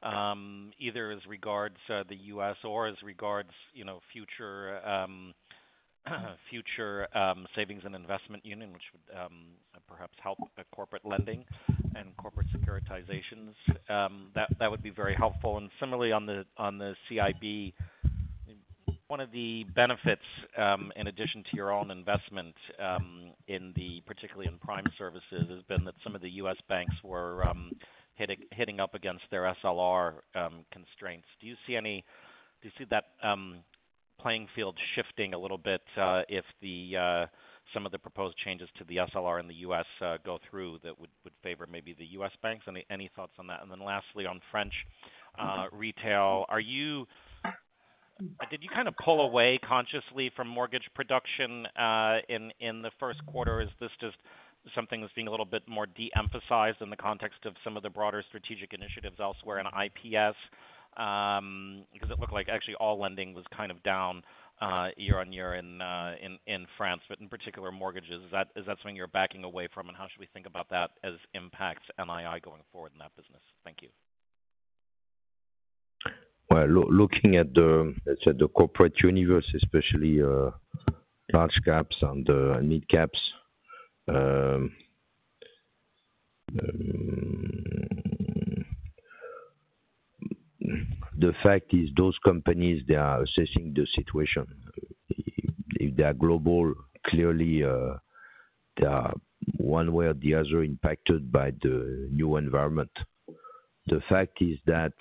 either as regards the US or as regards future savings and investment union, which would perhaps help corporate lending and corporate securitizations? That would be very helpful. Similarly, on the CIB, one of the benefits, in addition to your own investment, particularly in prime services, has been that some of the US banks were hitting up against their SLR constraints. Do you see that playing field shifting a little bit if some of the proposed changes to the SLR in the US go through that would favor maybe the US banks? Any thoughts on that? Lastly, on French retail, did you kind of pull away consciously from mortgage production in the first quarter? Is this just something that's being a little bit more de-emphasized in the context of some of the broader strategic initiatives elsewhere in IPS? Because it looked like actually all lending was kind of down year on year in France. In particular, mortgages, is that something you're backing away from? How should we think about that as impacts NII going forward in that business? Thank you. Looking at the corporate universe, especially large caps and mid caps, the fact is those companies, they are assessing the situation. If they are global, clearly they are one way or the other impacted by the new environment. The fact is that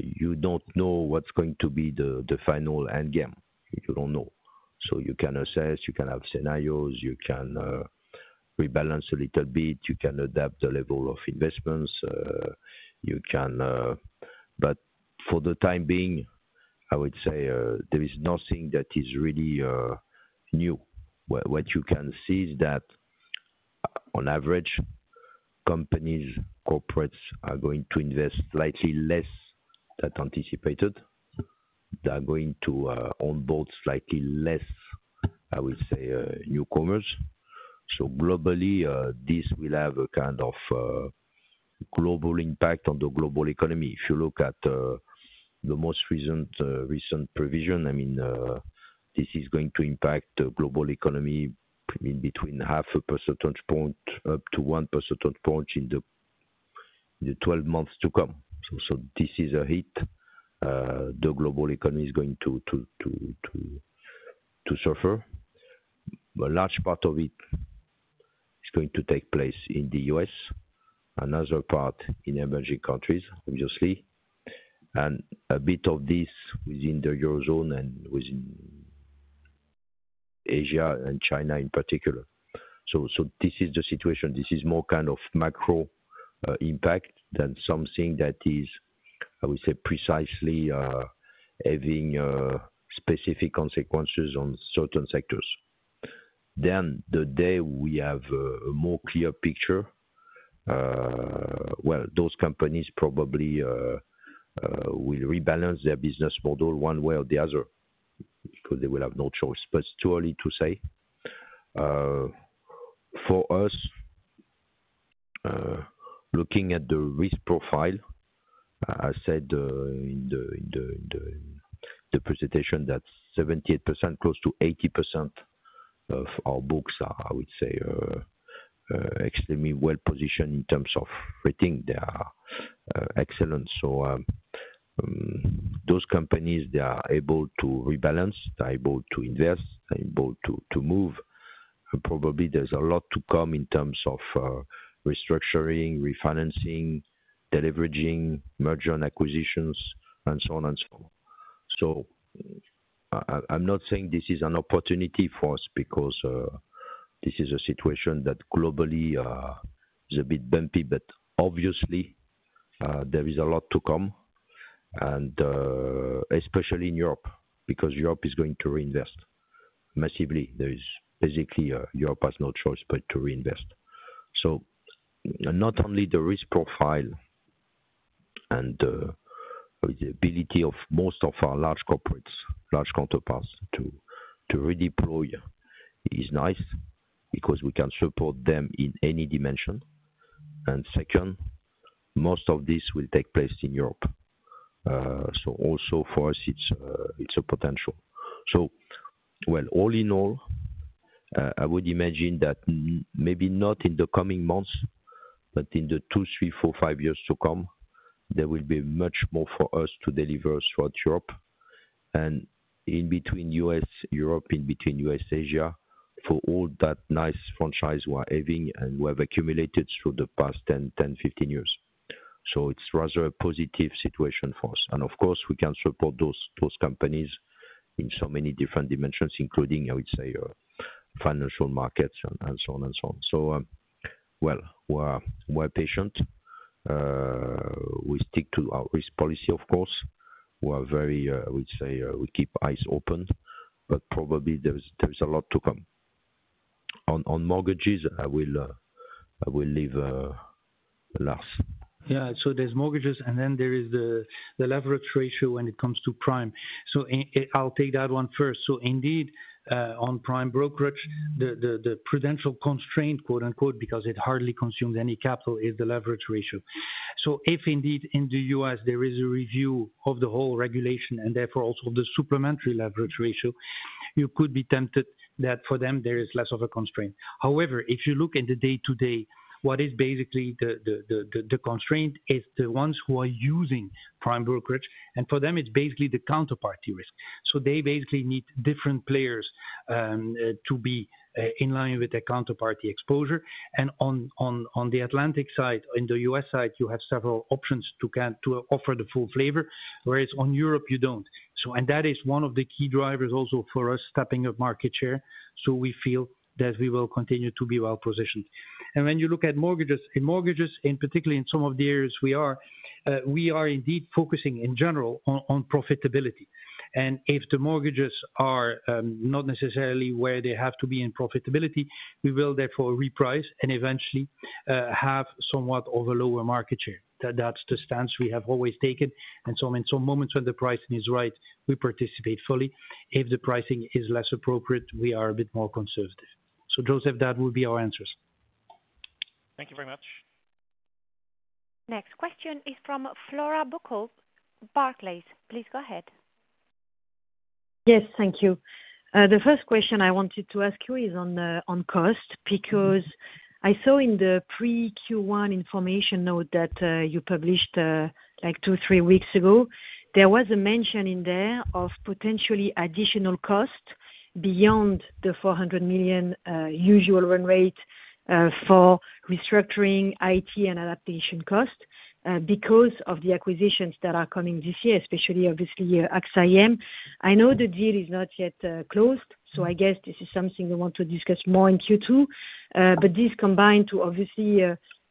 you don't know what's going to be the final end game. You don't know. You can assess, you can have scenarios, you can rebalance a little bit, you can adapt the level of investments. For the time being, I would say there is nothing that is really new. What you can see is that on average, companies, corporates are going to invest slightly less than anticipated. They are going to onboard slightly less, I would say, newcomers. Globally, this will have a kind of global impact on the global economy. If you look at the most recent provision, I mean, this is going to impact the global economy in between half a percentage point up to 1 percentage point in the 12 months to come. This is a hit the global economy is going to suffer. A large part of it is going to take place in the US, another part in emerging countries, obviously. A bit of this within the eurozone and within Asia and China in particular. This is the situation. This is more kind of macro impact than something that is, I would say, precisely having specific consequences on certain sectors. The day we have a more clear picture, those companies probably will rebalance their business model one way or the other because they will have no choice. It's too early to say. For us, looking at the risk profile, I said in the presentation that 78%, close to 80% of our books are, I would say, extremely well positioned in terms of rating. They are excellent. Those companies, they are able to rebalance, they're able to invest, they're able to move. Probably there's a lot to come in terms of restructuring, refinancing, deleveraging, merger and acquisitions, and so on and so forth. I'm not saying this is an opportunity for us because this is a situation that globally is a bit bumpy, but obviously there is a lot to come. Especially in Europe, because Europe is going to reinvest massively. Basically, Europe has no choice but to reinvest. Not only the risk profile and the ability of most of our large corporates, large counterparts to redeploy is nice because we can support them in any dimension. Second, most of this will take place in Europe. Also for us, it's a potential. All in all, I would imagine that maybe not in the coming months, but in the two, three, four, five years to come, there will be much more for us to deliver throughout Europe. In between U.S., Europe, in between U.S., Asia, for all that nice franchise we're having and we've accumulated through the past 10-15 years. It is rather a positive situation for us. Of course, we can support those companies in so many different dimensions, including, I would say, financial markets and so on and so on. We are patient. We stick to our risk policy, of course. We are very, I would say, we keep eyes open, but probably there is a lot to come. On mortgages, I will leave last. There are mortgages, and then there is the leverage ratio when it comes to prime. I will take that one first. Indeed, on prime brokerage, the prudential constraint, quote unquote, because it hardly consumes any capital, is the leverage ratio. If indeed in the U.S., there is a review of the whole regulation and therefore also the supplementary leverage ratio, you could be tempted that for them, there is less of a constraint. However, if you look in the day-to-day, what is basically the constraint is the ones who are using prime brokerage, and for them, it's basically the counterparty risk. They basically need different players to be in line with their counterparty exposure. On the Atlantic side, in the U.S. side, you have several options to offer the full flavor, whereas in Europe, you do not. That is one of the key drivers also for us stepping up market share. We feel that we will continue to be well positioned. When you look at mortgages, in mortgages, and particularly in some of the areas we are, we are indeed focusing in general on profitability. If the mortgages are not necessarily where they have to be in profitability, we will therefore reprice and eventually have somewhat of a lower market share. That is the stance we have always taken. In some moments when the pricing is right, we participate fully. If the pricing is less appropriate, we are a bit more conservative. Joseph, that would be our answers. Thank you very much. Next question is from Flora Bocahut, Barclays. Please go ahead. Yes, thank you. The first question I wanted to ask you is on cost because I saw in the pre-Q1 information note that you published like two, three weeks ago, there was a mention in there of potentially additional cost beyond the 400 million usual run rate for restructuring, IT, and adaptation cost because of the acquisitions that are coming this year, especially obviously AXA IM. I know the deal is not yet closed, so I guess this is something we want to discuss more in Q2. This combined to obviously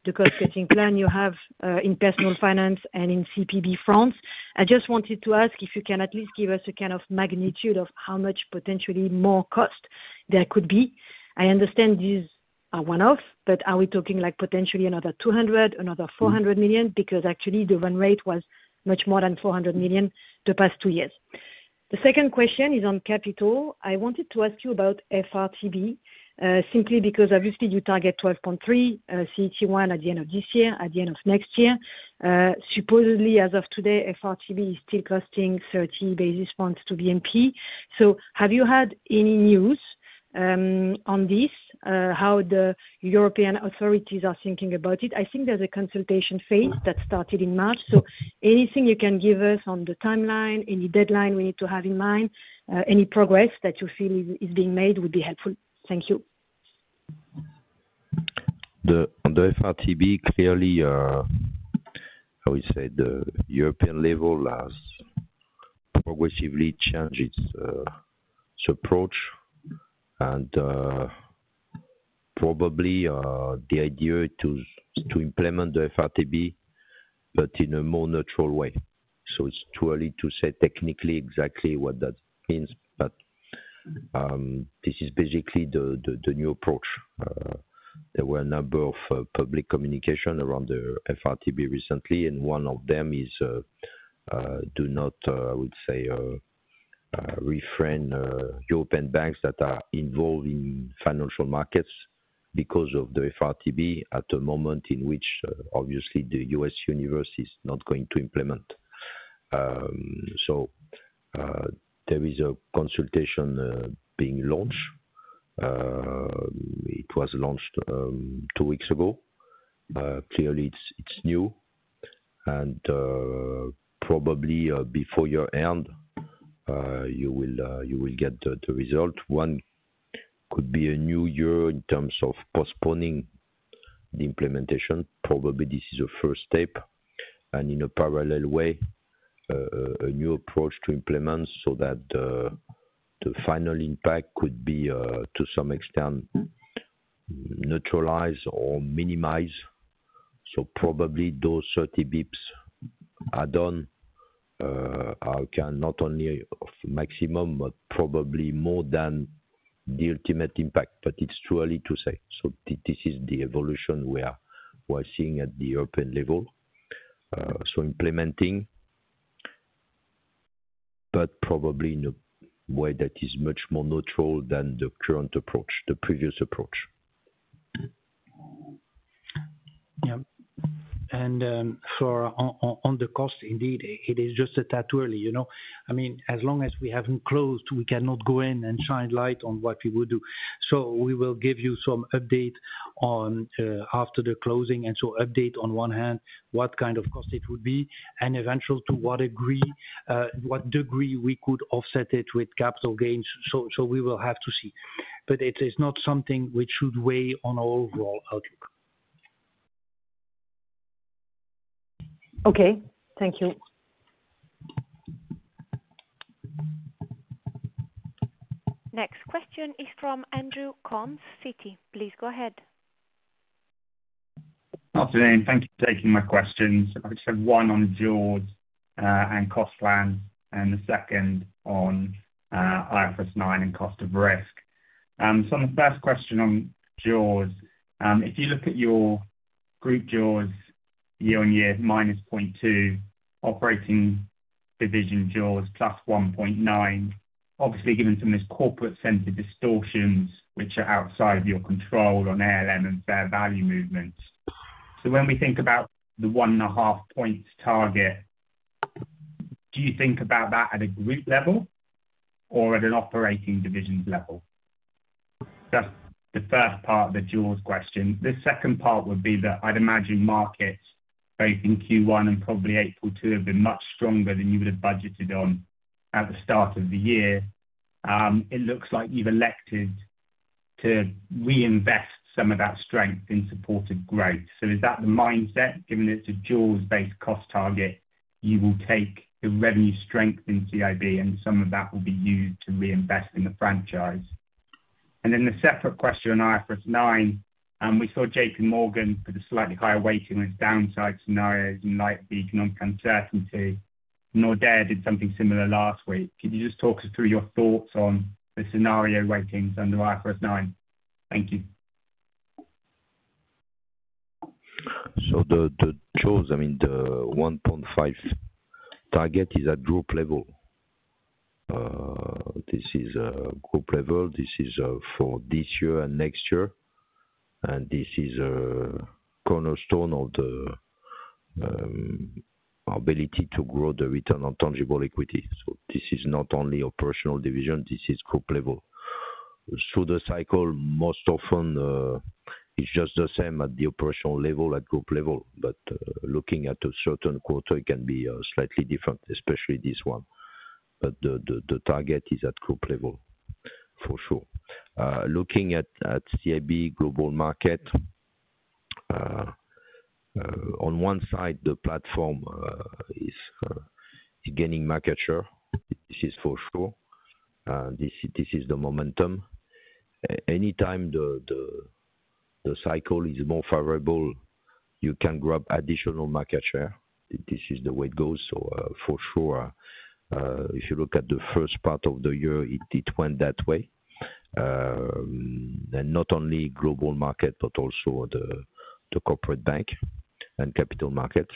the cost-cutting plan you have in personal finance and in CPB France. I just wanted to ask if you can at least give us a kind of magnitude of how much potentially more cost there could be. I understand these are one-off, but are we talking like potentially another 200 million, another 400 million? Because actually the run rate was much more than 400 million the past two years. The second question is on capital. I wanted to ask you about FRTB simply because obviously you target 12.3% CET1 at the end of this year, at the end of next year. Supposedly as of today, FRTB is still costing 30 basis points to BNP Paribas. Have you had any news on this, how the European authorities are thinking about it? I think there's a consultation phase that started in March. Anything you can give us on the timeline, any deadline we need to have in mind, any progress that you feel is being made would be helpful. Thank you. On the FRTB, clearly, I would say the European level has progressively changed its approach. Probably the idea is to implement the FRTB, but in a more natural way. It is too early to say technically exactly what that means. This is basically the new approach. There were a number of public communications around the FRTB recently, and one of them is do not, I would say, refrain European banks that are involved in financial markets because of the FRTB at a moment in which obviously the US universe is not going to implement. There is a consultation being launched. It was launched two weeks ago. Clearly, it's new. Probably before year-end, you will get the result. One could be a new year in terms of postponing the implementation. Probably this is a first step. In a parallel way, a new approach to implement so that the final impact could be to some extent neutralized or minimized. Probably those 30 basis points are done. I can not only maximum, but probably more than the ultimate impact. It is too early to say. This is the evolution we are seeing at the European level. Implementing, but probably in a way that is much more neutral than the current approach, the previous approach. Yep. On the cost, indeed, it is just a tad too early. I mean, as long as we have not closed, we cannot go in and shine light on what we would do. We will give you some update after the closing. Update on one hand, what kind of cost it would be, and eventually to what degree we could offset it with capital gains. We will have to see. It is not something which should weigh on our overall outlook. Okay. Thank you. Next question is from Andrew Coombs, Citi. Please go ahead. Afternoon. Thank you for taking my questions. I just have one on Jaws and cost plans and the second on IFRS 9 and cost of risk. My first question on Jaws, if you look at your group Jaws year on year, minus 0.2, operating division Jaws plus 1.9, obviously given some of these corporate center distortions which are outside of your control on ALM and fair value movements. When we think about the one and a half points target, do you think about that at a group level or at an operating division level? That's the first part of the Jaws question. The second part would be that I'd imagine markets both in Q1 and probably April too have been much stronger than you would have budgeted on at the start of the year. It looks like you've elected to reinvest some of that strength in supported growth. Is that the mindset? Given that it's a group-based cost target, you will take the revenue strength in CIB and some of that will be used to reinvest in the franchise. The separate question on IFRS 9, we saw JPMorgan put a slightly higher weighting on its downside scenarios in light of the economic uncertainty. Nordea did something similar last week. Could you just talk us through your thoughts on the scenario ratings under IFRS 9? Thank you. The group, I mean, the 1.5 target is at group level. This is group level. This is for this year and next year. This is a cornerstone of the ability to grow the return on tangible equity. This is not only operational division. This is group level. Through the cycle, most often it's just the same at the operational level, at group level. Looking at a certain quarter, it can be slightly different, especially this one. The target is at group level for sure. Looking at CIB Global Markets, on one side, the platform is gaining market share. This is for sure. This is the momentum. Anytime the cycle is more favorable, you can grab additional market share. This is the way it goes. For sure, if you look at the first part of the year, it went that way. Not only Global Markets, but also the corporate bank and capital markets.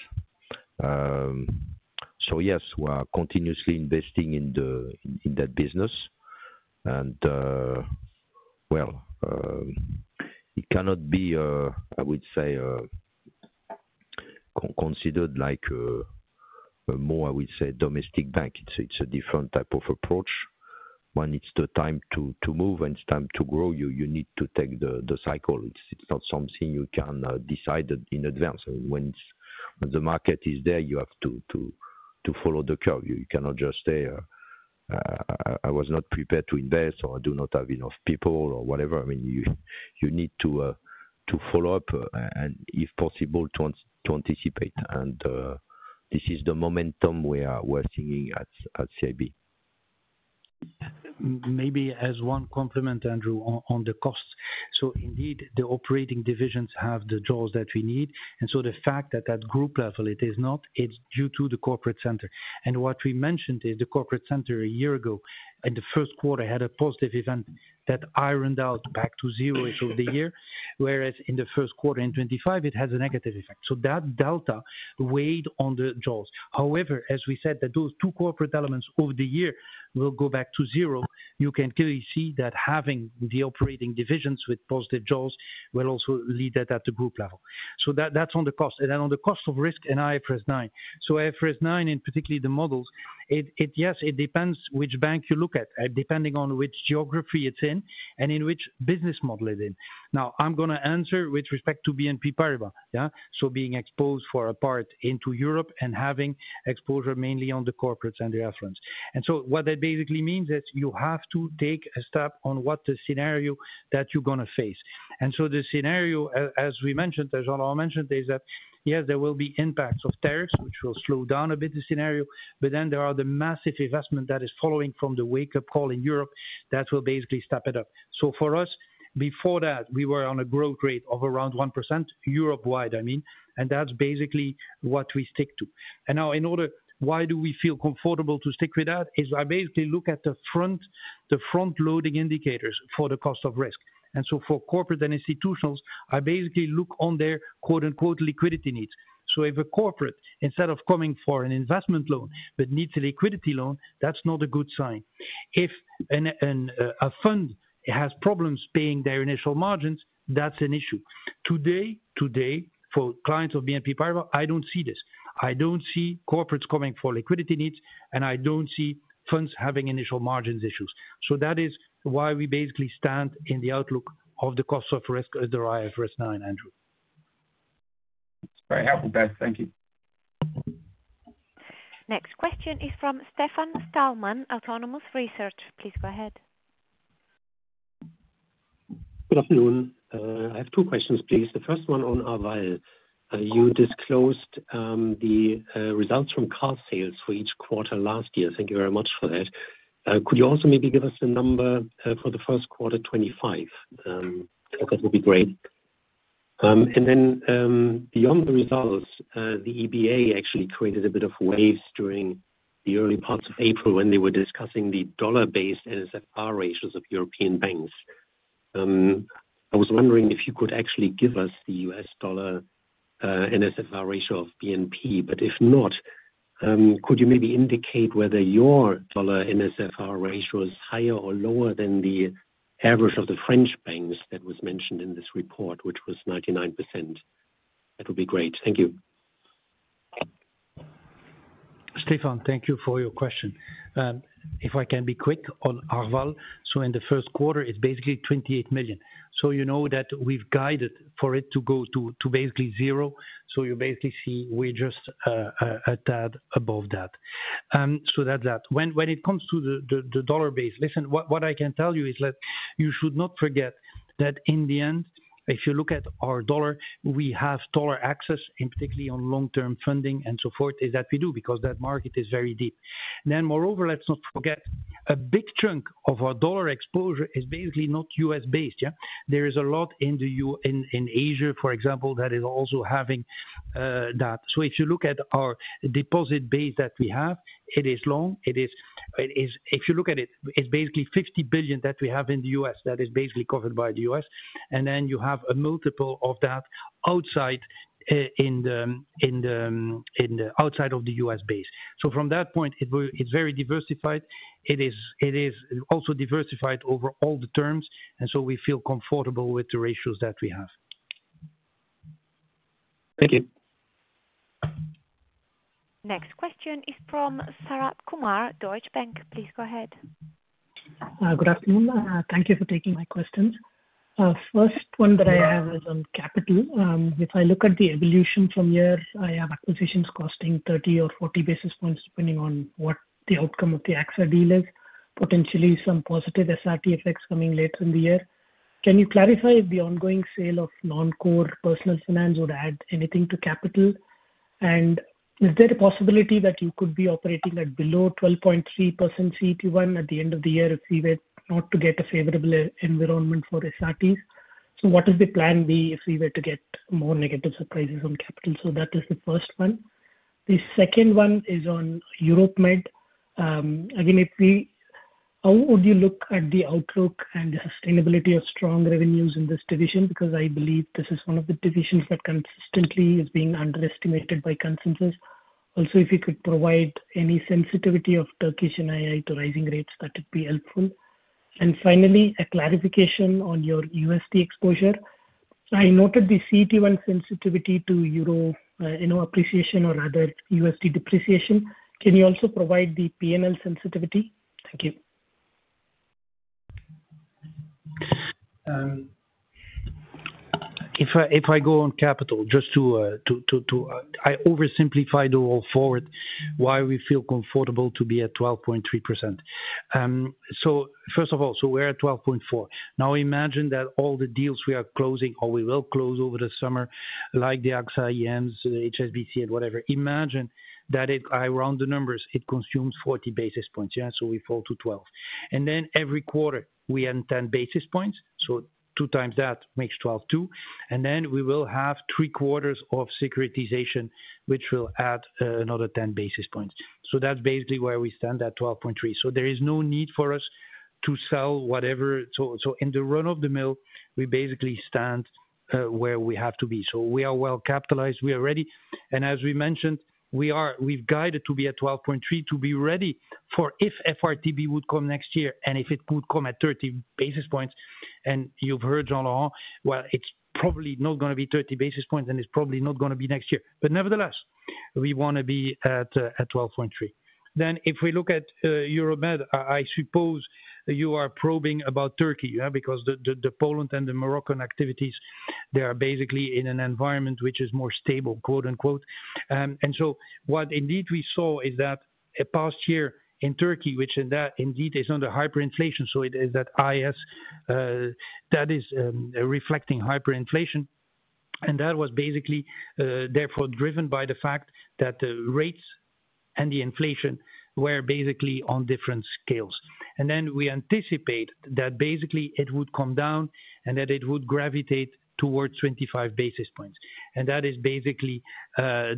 Yes, we are continuously investing in that business. It cannot be, I would say, considered like a more, I would say, domestic bank. It's a different type of approach. When it's the time to move and it's time to grow, you need to take the cycle. It's not something you can decide in advance. When the market is there, you have to follow the curve. You cannot just say, "I was not prepared to invest," or, "I do not have enough people," or whatever. I mean, you need to follow up and, if possible, to anticipate. This is the momentum we are seeing at CIB. Maybe as one compliment, Andrew, on the cost. Indeed, the operating divisions have the jobs that we need. The fact that at group level, it is not, it's due to the corporate center. What we mentioned is the corporate center a year ago in the first quarter had a positive event that ironed out back to zero through the year, whereas in the first quarter in 2025, it has a negative effect. That delta weighed on the jobs. However, as we said, those two corporate elements over the year will go back to zero. You can clearly see that having the operating divisions with positive jaws will also lead that at the group level. That is on the cost. Then on the cost of risk and IFRS 9. IFRS 9, and particularly the models, yes, it depends which bank you look at, depending on which geography it is in and in which business model it is in. Now, I am going to answer with respect to BNP Paribas. Yeah? Being exposed for a part into Europe and having exposure mainly on the corporates and the reference. What that basically means is you have to take a step on what the scenario that you are going to face. The scenario, as we mentioned, as John mentioned, is that, yes, there will be impacts of tariffs, which will slow down a bit the scenario, but there are the massive investment that is following from the wake-up call in Europe that will basically step it up. For us, before that, we were on a growth rate of around 1%, Europe-wide, I mean. That is basically what we stick to. Now, in order, why do we feel comfortable to stick with that? I basically look at the front-loading indicators for the cost of risk. For corporate and institutionals, I basically look on their "liquidity needs." If a corporate, instead of coming for an investment loan, but needs a liquidity loan, that is not a good sign. If a fund has problems paying their initial margins, that is an issue. Today, for clients of BNP Paribas, I don't see this. I don't see corporates coming for liquidity needs, and I don't see funds having initial margins issues. That is why we basically stand in the outlook of the cost of risk as derived from IFRS 9, Andrew. That's very helpful, Beth. Thank you. Next question is from Stefan Stalmann, Autonomous Research. Please go ahead. Good afternoon. I have two questions, please. The first one on Arval. You disclosed the results from car sales for each quarter last year. Thank you very much for that. Could you also maybe give us the number for the first quarter, 2025? That would be great. Beyond the results, the EBA actually created a bit of waves during the early parts of April when they were discussing the dollar-based Net Stable Funding Ratio ratios of European banks. I was wondering if you could actually give us the US dollar NSFR ratio of BNP. If not, could you maybe indicate whether your dollar NSFR ratio is higher or lower than the average of the French banks that was mentioned in this report, which was 99%? That would be great. Thank you. Stefan, thank you for your question. If I can be quick on Arval, in the first quarter, it is basically 28 million. You know that we have guided for it to go to basically zero. You basically see we are just a tad above that. That is that. When it comes to the dollar-based, listen, what I can tell you is that you should not forget that in the end, if you look at our dollar, we have dollar access, and particularly on long-term funding and so forth, is that we do because that market is very deep. Moreover, let's not forget a big chunk of our dollar exposure is basically not US-based. There is a lot in Asia, for example, that is also having that. If you look at our deposit base that we have, it is long. If you look at it, it's basically $50 billion that we have in the US that is basically covered by the US. You have a multiple of that outside in the outside of the US base. From that point, it's very diversified. It is also diversified over all the terms. We feel comfortable with the ratios that we have. Thank you. Next question is from Sharath Kumar, Deutsche Bank. Please go ahead. Good afternoon. Thank you for taking my questions. First one that I have is on capital. If I look at the evolution from year, I have acquisitions costing 30 or 40 basis points depending on what the outcome of the AXA deal is, potentially some positive SRT effects coming later in the year. Can you clarify if the ongoing sale of non-core personal finance would add anything to capital? Is there a possibility that you could be operating at below 12.3% CET1 at the end of the year if we were not to get a favorable environment for SRTs? What does the plan be if we were to get more negative surprises on capital? That is the first one. The second one is on Europe-Med. I mean, how would you look at the outlook and the sustainability of strong revenues in this division? Because I believe this is one of the divisions that consistently is being underestimated by consensus. Also, if you could provide any sensitivity of Turkish and II to rising rates, that would be helpful. Finally, a clarification on your USD exposure. I noted the CET1 sensitivity to Euro appreciation or rather USD depreciation. Can you also provide the P&L sensitivity? Thank you. If I go on capital, just to oversimplify the whole forward, why we feel comfortable to be at 12.3%. First of all, we are at 12.4% now. Imagine that all the deals we are closing or we will close over the summer, like the AXA IMs, HSBC, and whatever, imagine that if I round the numbers, it consumes 40 basis points. Yeah? We fall to 12. Every quarter, we add 10 basis points. Two times that makes 12.2. We will have three quarters of securitization, which will add another 10 basis points. That is basically where we stand at 12.3. There is no need for us to sell whatever. In the run of the mill, we basically stand where we have to be. We are well capitalized. We are ready. As we mentioned, we have guided to be at 12.3 to be ready if FRTB would come next year and if it would come at 30 basis points. You have heard Jean-Laurent, it is probably not going to be 30 basis points and it is probably not going to be next year. Nevertheless, we want to be at 12.3. If we look at Europe-Med, I suppose you are probing about Turkey because the Poland and the Moroccan activities, they are basically in an environment which is more stable, quote-unquote. What indeed we saw is that a past year in Turkey, which indeed is under hyperinflation. It is that IS that is reflecting hyperinflation. That was basically therefore driven by the fact that the rates and the inflation were basically on different scales. We anticipate that basically it would come down and that it would gravitate towards 25 basis points. That is basically what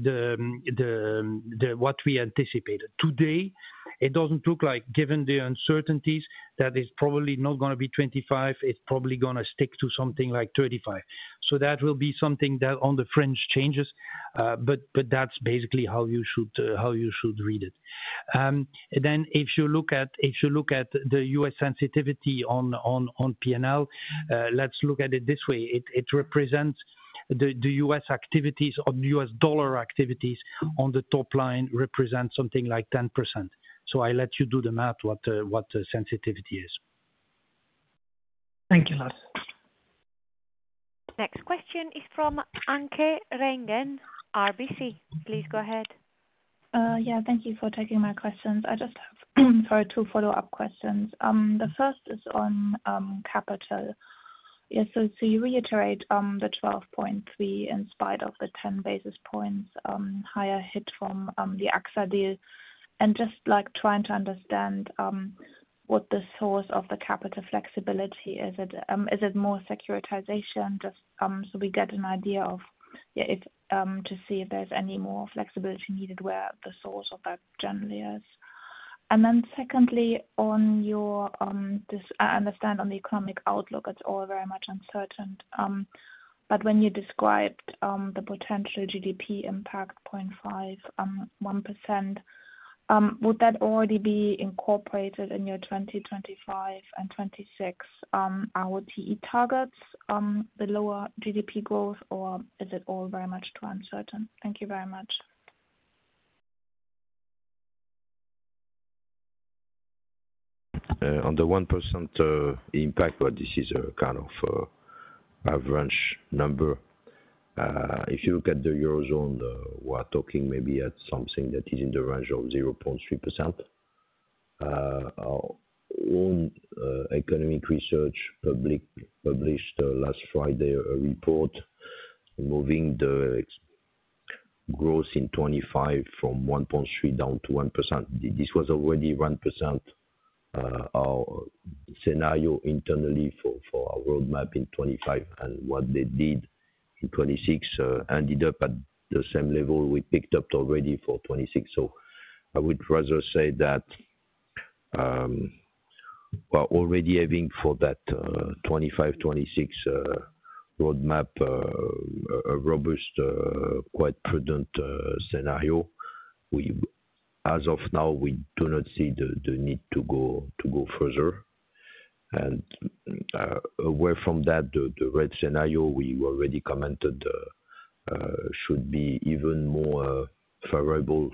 we anticipated. Today, it does not look like, given the uncertainties, that it is probably not going to be 25. It is probably going to stick to something like 35. That will be something that on the French changes. That is basically how you should read it. If you look at the US sensitivity on P&L, let's look at it this way. It represents the US activities or the US dollar activities on the top line represents something like 10%. I let you do the math what the sensitivity is. Thank you a lot. Next question is from Anke Reingen, RBC. Please go ahead. Yeah. Thank you for taking my questions. I just have two follow-up questions. The first is on capital. You reiterate the 12.3% in spite of the 10 basis points higher hit from the AXA deal. Just trying to understand what the source of the capital flexibility is. Is it more securitization? Just so we get an idea to see if there's any more flexibility needed where the source of that generally is. Secondly, I understand on the economic outlook, it's all very much uncertain. When you described the potential GDP impact, 0.5%, 1%, would that already be incorporated in your 2025 and 2026 ROTE targets, the lower GDP growth, or is it all very much too uncertain? Thank you very much. On the 1% impact, this is a kind of average number. If you look at the eurozone, we are talking maybe at something that is in the range of 0.3%. Own economic research published last Friday a report moving the growth in 2025 from 1.3% down to 1%. This was already 1% scenario internally for our roadmap in 2025. What they did in 2026 ended up at the same level we picked up already for 2026. I would rather say that we are already having for that 2025, 2026 roadmap a robust, quite prudent scenario. As of now, we do not see the need to go further. Away from that, the red scenario we already commented should be even more favorable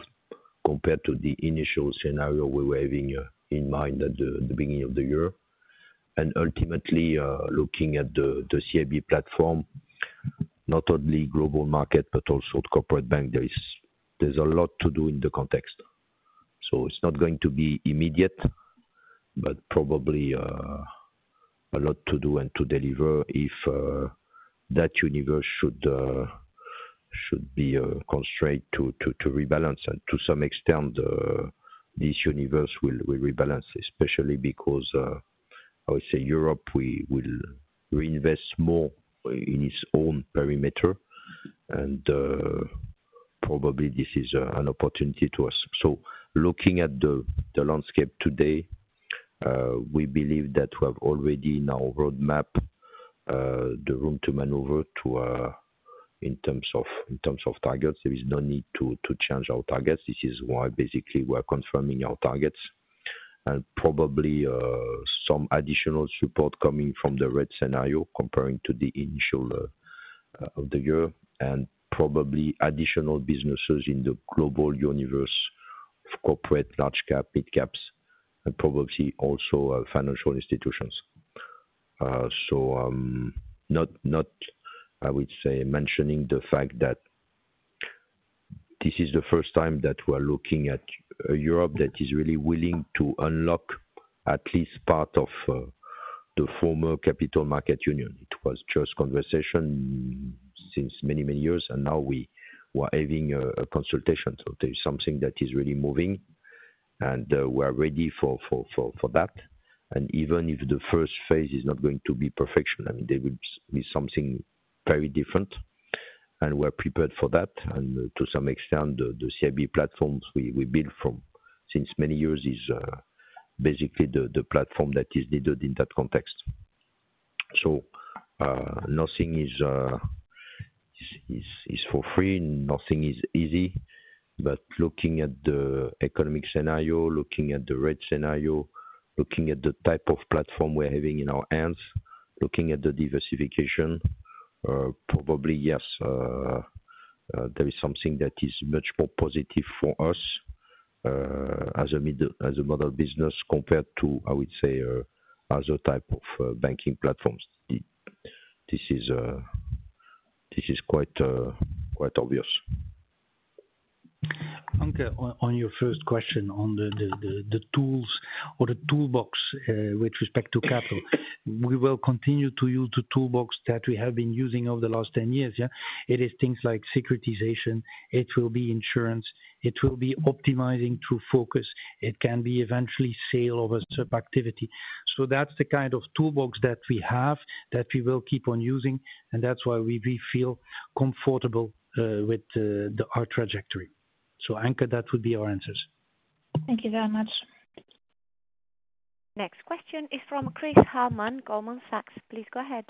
compared to the initial scenario we were having in mind at the beginning of the year. Ultimately, looking at the CIB platform, not only global market, but also corporate bank, there is a lot to do in the context. It is not going to be immediate, but probably a lot to do and to deliver if that universe should be constrained to rebalance. To some extent, this universe will rebalance, especially because, I would say, Europe will reinvest more in its own perimeter. Probably this is an opportunity to us. Looking at the landscape today, we believe that we have already in our roadmap the room to maneuver in terms of targets. There is no need to change our targets. This is why basically we are confirming our targets. Probably some additional support is coming from the red scenario compared to the initial of the year. Probably additional businesses in the global universe of corporate, large cap, mid caps, and probably also financial institutions. I would not say, mentioning the fact that this is the first time that we are looking at a Europe that is really willing to unlock at least part of the former capital market union. It was just conversation for many, many years. Now we are having a consultation. There is something that is really moving. We are ready for that. Even if the first phase is not going to be perfection, I mean, there will be something very different. We are prepared for that. To some extent, the CIB platforms we built since many years is basically the platform that is needed in that context. Nothing is for free. Nothing is easy. Looking at the economic scenario, looking at the red scenario, looking at the type of platform we are having in our hands, looking at the diversification, probably, yes, there is something that is much more positive for us as a model business compared to, I would say, other type of banking platforms. This is quite obvious. On your first question on the tools or the toolbox with respect to capital, we will continue to use the toolbox that we have been using over the last 10 years. It is things like securitization. It will be insurance. It will be optimizing through focus. It can be eventually sale of a sub-activity. That is the kind of toolbox that we have that we will keep on using. That is why we feel comfortable with our trajectory. Anke, that would be our answers. Thank you very much. Next question is from Chris Harman, Goldman Sachs. Please go ahead.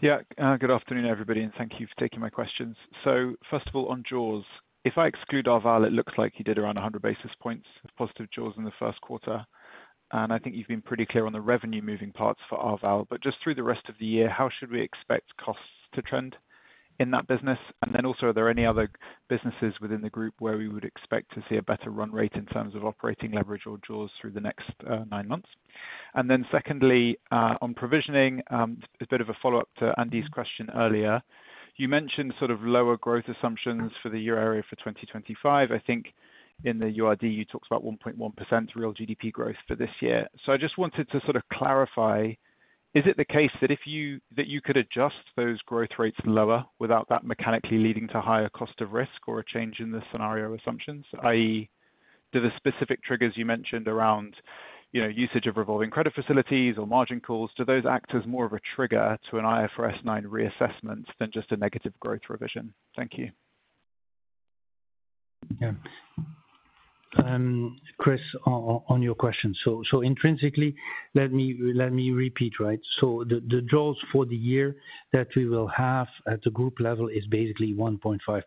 Yeah. Good afternoon, everybody. And thank you for taking my questions. First of all, on jaws, if I exclude Arval, it looks like you did around 100 basis points of positive jaws in the first quarter. I think you've been pretty clear on the revenue-moving parts for Arval. Just through the rest of the year, how should we expect costs to trend in that business? Also, are there any other businesses within the group where we would expect to see a better run rate in terms of operating leverage or jaws through the next nine months? Secondly, on provisioning, a bit of a follow-up to Andy's question earlier, you mentioned sort of lower growth assumptions for the year area for 2025. I think in the URD, you talked about 1.1% real GDP growth for this year. I just wanted to sort of clarify, is it the case that if you could adjust those growth rates lower without that mechanically leading to higher cost of risk or a change in the scenario assumptions, i.e., do the specific triggers you mentioned around usage of revolving credit facilities or margin calls, do those act as more of a trigger to an IFRS 9 reassessment than just a negative growth revision? Thank you. Yeah. Chris, on your question. Intrinsically, let me repeat, right? The jaws for the year that we will have at the group level is basically 1.5%.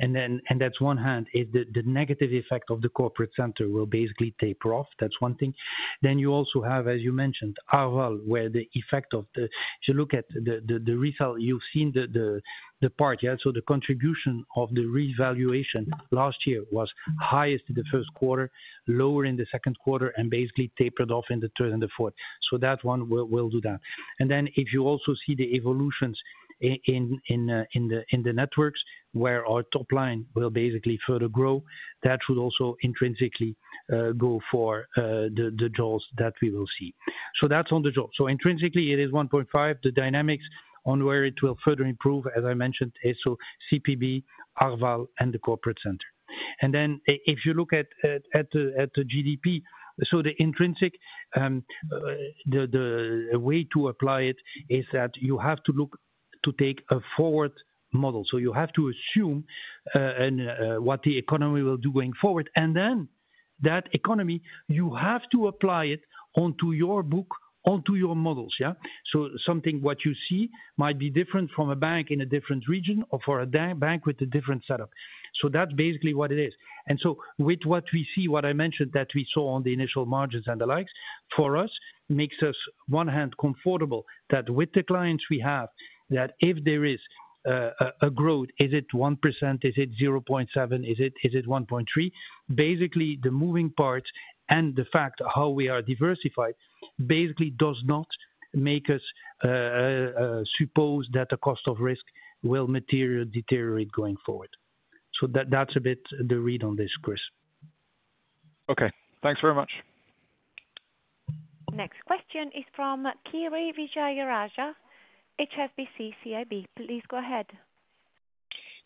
That is one hand. The negative effect of the corporate center will basically taper off. That is one thing. You also have, as you mentioned, Arval, where the effect of the, if you look at the result, you've seen the part, yeah? The contribution of the revaluation last year was highest in the first quarter, lower in the second quarter, and basically tapered off in the third and the fourth. That one will do that. If you also see the evolutions in the networks where our top line will basically further grow, that should also intrinsically go for the jaws that we will see. That's on the jaw. Intrinsically, it is 1.5. The dynamics on where it will further improve, as I mentioned, is CPB, Arval, and the corporate center. If you look at the GDP, the intrinsic, the way to apply it is that you have to look to take a forward model. You have to assume what the economy will do going forward. Then that economy, you have to apply it onto your book, onto your models, yeah? Something what you see might be different from a bank in a different region or for a bank with a different setup. That is basically what it is. With what we see, what I mentioned that we saw on the initial margins and the likes, for us, makes us, on one hand, comfortable that with the clients we have, if there is a growth, is it 1%? Is it 0.7%? Is it 1.3%? Basically, the moving parts and the fact how we are diversified basically does not make us suppose that the cost of risk will deteriorate going forward. That is a bit the read on this, Chris. Okay. Thanks very much. Next question is from Kirishanthan Vijayarajah, HSBC CIB. Please go ahead.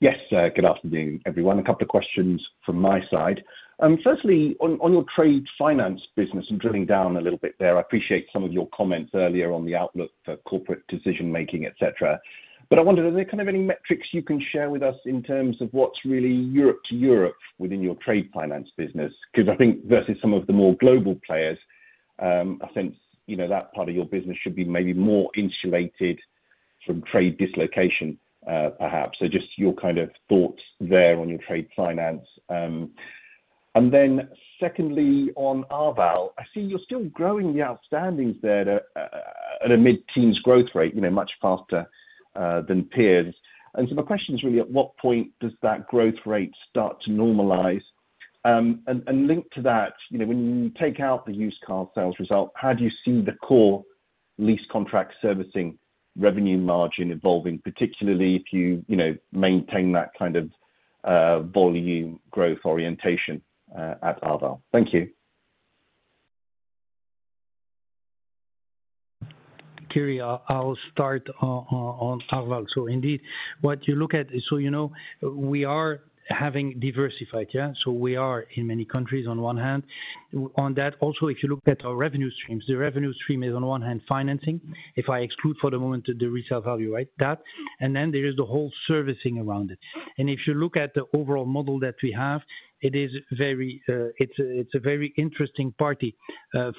Yes. Good afternoon, everyone. A couple of questions from my side. Firstly, on your trade finance business and drilling down a little bit there, I appreciate some of your comments earlier on the outlook for corporate decision-making, etc. I wondered, are there kind of any metrics you can share with us in terms of what's really Europe to Europe within your trade finance business? I think versus some of the more global players, I sense that part of your business should be maybe more insulated from trade dislocation, perhaps. Just your kind of thoughts there on your trade finance. Secondly, on Arval, I see you're still growing the outstandings there at a mid-teens growth rate, much faster than peers. My question is really, at what point does that growth rate start to normalize? Linked to that, when you take out the used car sales result, how do you see the core lease contract servicing revenue margin evolving, particularly if you maintain that kind of volume growth orientation at Arval? Thank you. Kiri, I'll start on Arval. Indeed, what you look at is we are having diversified, yeah? We are in many countries on one hand. On that, also, if you look at our revenue streams, the revenue stream is on one hand financing, if I exclude for the moment the resale value, right? That. Then there is the whole servicing around it. If you look at the overall model that we have, it's a very interesting party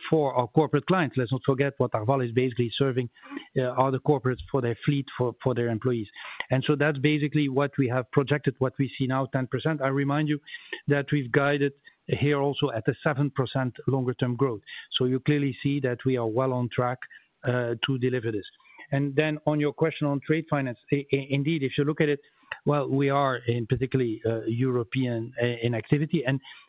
for our corporate clients. Let's not forget what Arval is basically serving other corporates for their fleet, for their employees. That is basically what we have projected, what we see now, 10%. I remind you that we've guided here also at a 7% longer-term growth. You clearly see that we are well on track to deliver this. On your question on trade finance, indeed, if you look at it, we are in particularly European in activity.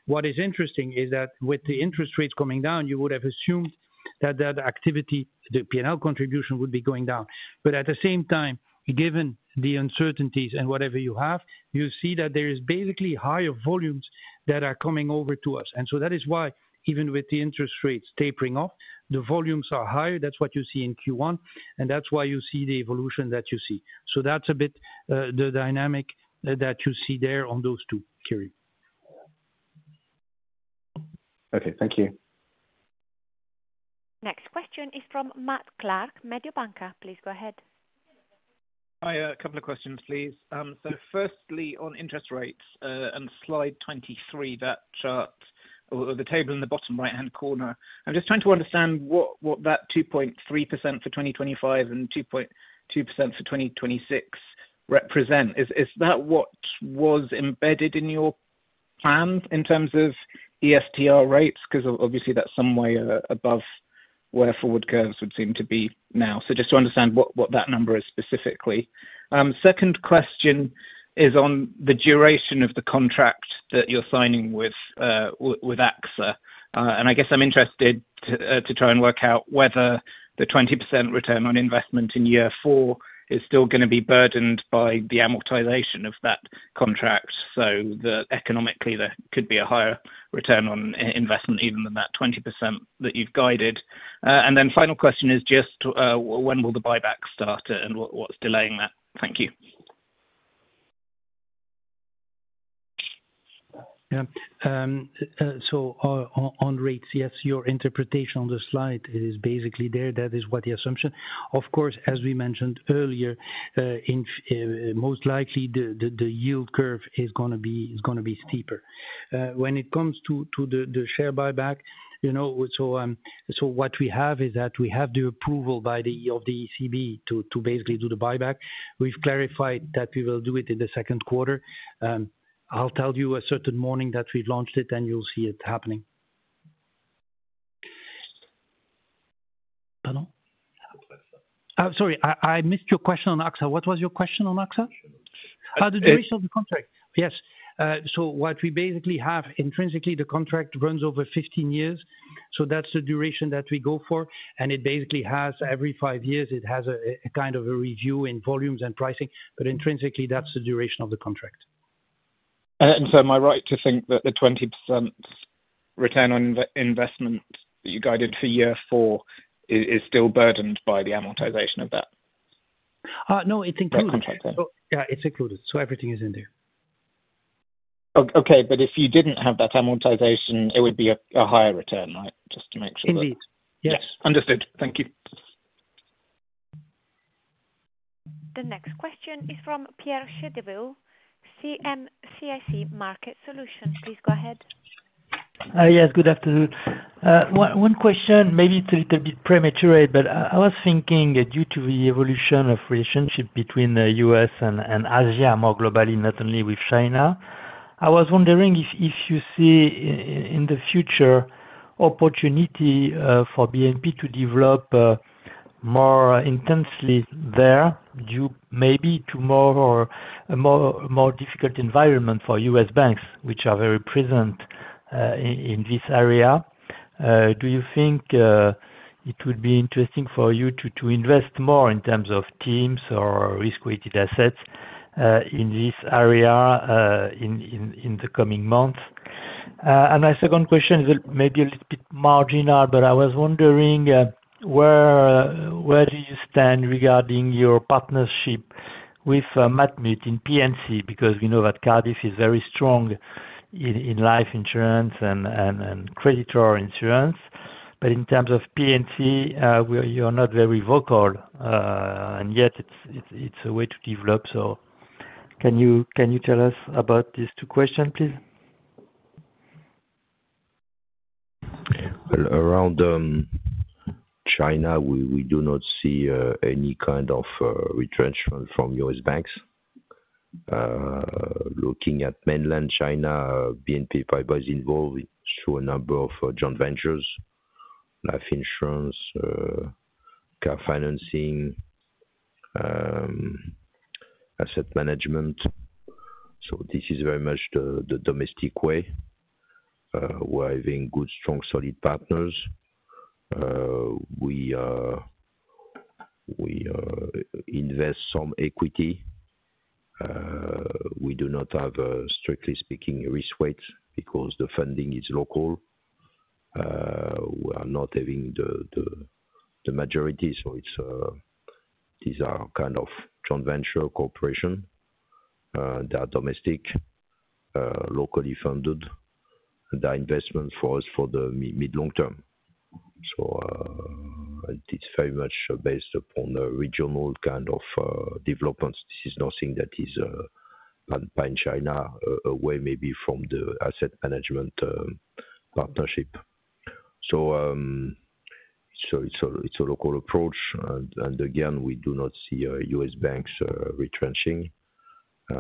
What is interesting is that with the interest rates coming down, you would have assumed that that activity, the P&L contribution, would be going down. At the same time, given the uncertainties and whatever you have, you see that there is basically higher volumes that are coming over to us. That is why even with the interest rates tapering off, the volumes are higher. That's what you see in Q1. That's why you see the evolution that you see. That's a bit the dynamic that you see there on those two, Kiri. Okay. Thank you. Next question is from Matt Clark, Mediobanca. Please go ahead. Hi. A couple of questions, please. Firstly, on interest rates and slide 23, that chart or the table in the bottom right-hand corner. I'm just trying to understand what that 2.3% for 2025 and 2.2% for 2026 represent. Is that what was embedded in your plan in terms of ESTR rates? Because obviously, that's some way above where forward curves would seem to be now. Just to understand what that number is specifically. Second question is on the duration of the contract that you're signing with AXA. I guess I'm interested to try and work out whether the 20% return on investment in year four is still going to be burdened by the amortization of that contract so that economically, there could be a higher return on investment even than that 20% that you've guided. The final question is just when will the buyback start and what's delaying that? Thank you. Yeah. On rates, yes, your interpretation on the slide is basically there. That is what the assumption is. Of course, as we mentioned earlier, most likely the yield curve is going to be steeper. When it comes to the share buyback, what we have is that we have the approval of the ECB to basically do the buyback. We've clarified that we will do it in the second quarter. I'll tell you a certain morning that we've launched it, and you'll see it happening. Pardon? Sorry. I missed your question on AXA. What was your question on AXA? The duration of the contract. The duration of the contract. Yes. What we basically have intrinsically, the contract runs over 15 years. That's the duration that we go for. It basically has every five years, it has a kind of a review in volumes and pricing. Intrinsically, that's the duration of the contract. Am I right to think that the 20% return on investment that you guided for year four is still burdened by the amortization of that? No, it includes that contract. Yeah, it's included. Everything is in there. Okay. If you didn't have that amortization, it would be a higher return, right? Just to make sure. Indeed. Yes. Understood. Thank you. The next question is from Pierre Chédeville, CIC Market Solutions. Please go ahead. Yes. Good afternoon. One question, maybe it's a little bit premature, but I was thinking due to the evolution of relationship between the U.S. and Asia, more globally, not only with China, I was wondering if you see in the future opportunity for BNP Paribas to develop more intensely there due maybe to more difficult environment for U.S. banks, which are very present in this area. Do you think it would be interesting for you to invest more in terms of teams or risk-weighted assets in this area in the coming months? My second question is maybe a little bit marginal, but I was wondering where do you stand regarding your partnership with Matmut in P&C? Because we know that Cardiff is very strong in life insurance and creditor insurance. In terms of P&C, you're not very vocal. Yet, it's a way to develop. Can you tell us about these two questions, please? Around China, we do not see any kind of retrenchment from US banks. Looking at mainland China, BNP Paribas is involved through a number of joint ventures, life insurance, car financing, asset management. This is very much the domestic way. We're having good, strong, solid partners. We invest some equity. We do not have, strictly speaking, risk weights because the funding is local. We are not having the majority. These are kind of joint venture corporations. They are domestic, locally funded. They are investments for us for the mid-long term. It is very much based upon regional kind of developments. This is nothing that is pine China away maybe from the asset management partnership. It is a local approach. We do not see US banks retrenching. We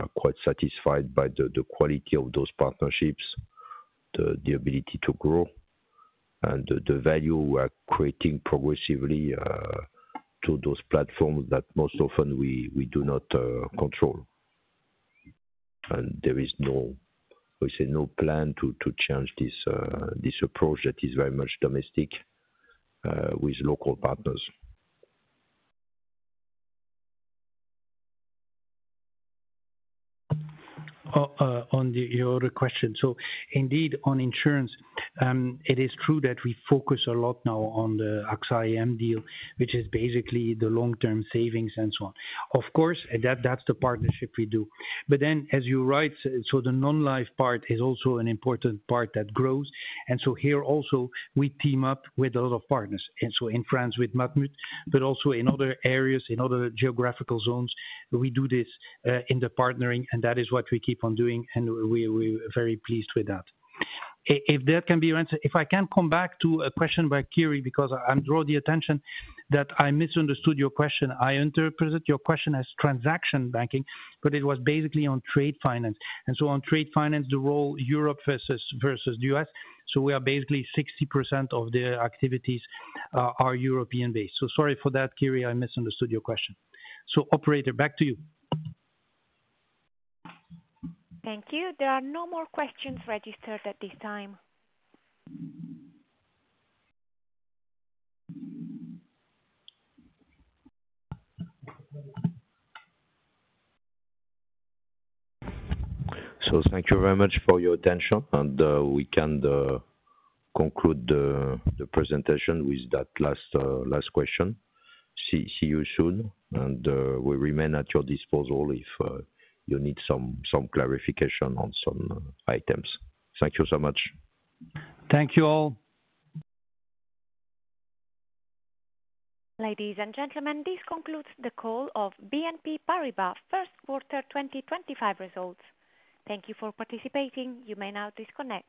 are quite satisfied by the quality of those partnerships, the ability to grow, and the value we are creating progressively to those platforms that most often we do not control. There is no plan to change this approach that is very much domestic with local partners. On your other question, indeed, on insurance, it is true that we focus a lot now on the AXA IM Deal, which is basically the long-term savings and so on. Of course, that is the partnership we do. As you write, the non-life part is also an important part that grows. Here also, we team up with a lot of partners. In France with Matmut, but also in other areas, in other geographical zones, we do this in the partnering. That is what we keep on doing. We are very pleased with that. If that can be answered, if I can come back to a question by Kiri because I am drawing the attention that I misunderstood your question. I interpreted your question as transaction banking, but it was basically on trade finance. On trade finance, the role Europe versus the US. We are basically 60% of the activities are European-based. Sorry for that, Kiri. I misunderstood your question. Operator, back to you. Thank you. There are no more questions registered at this time. Thank you very much for your attention. We can conclude the presentation with that last question. See you soon. We remain at your disposal if you need some clarification on some items. Thank you so much. Thank you all. Ladies and gentlemen, this concludes the call of BNP Paribas first quarter 2025 results. Thank you for participating. You may now disconnect.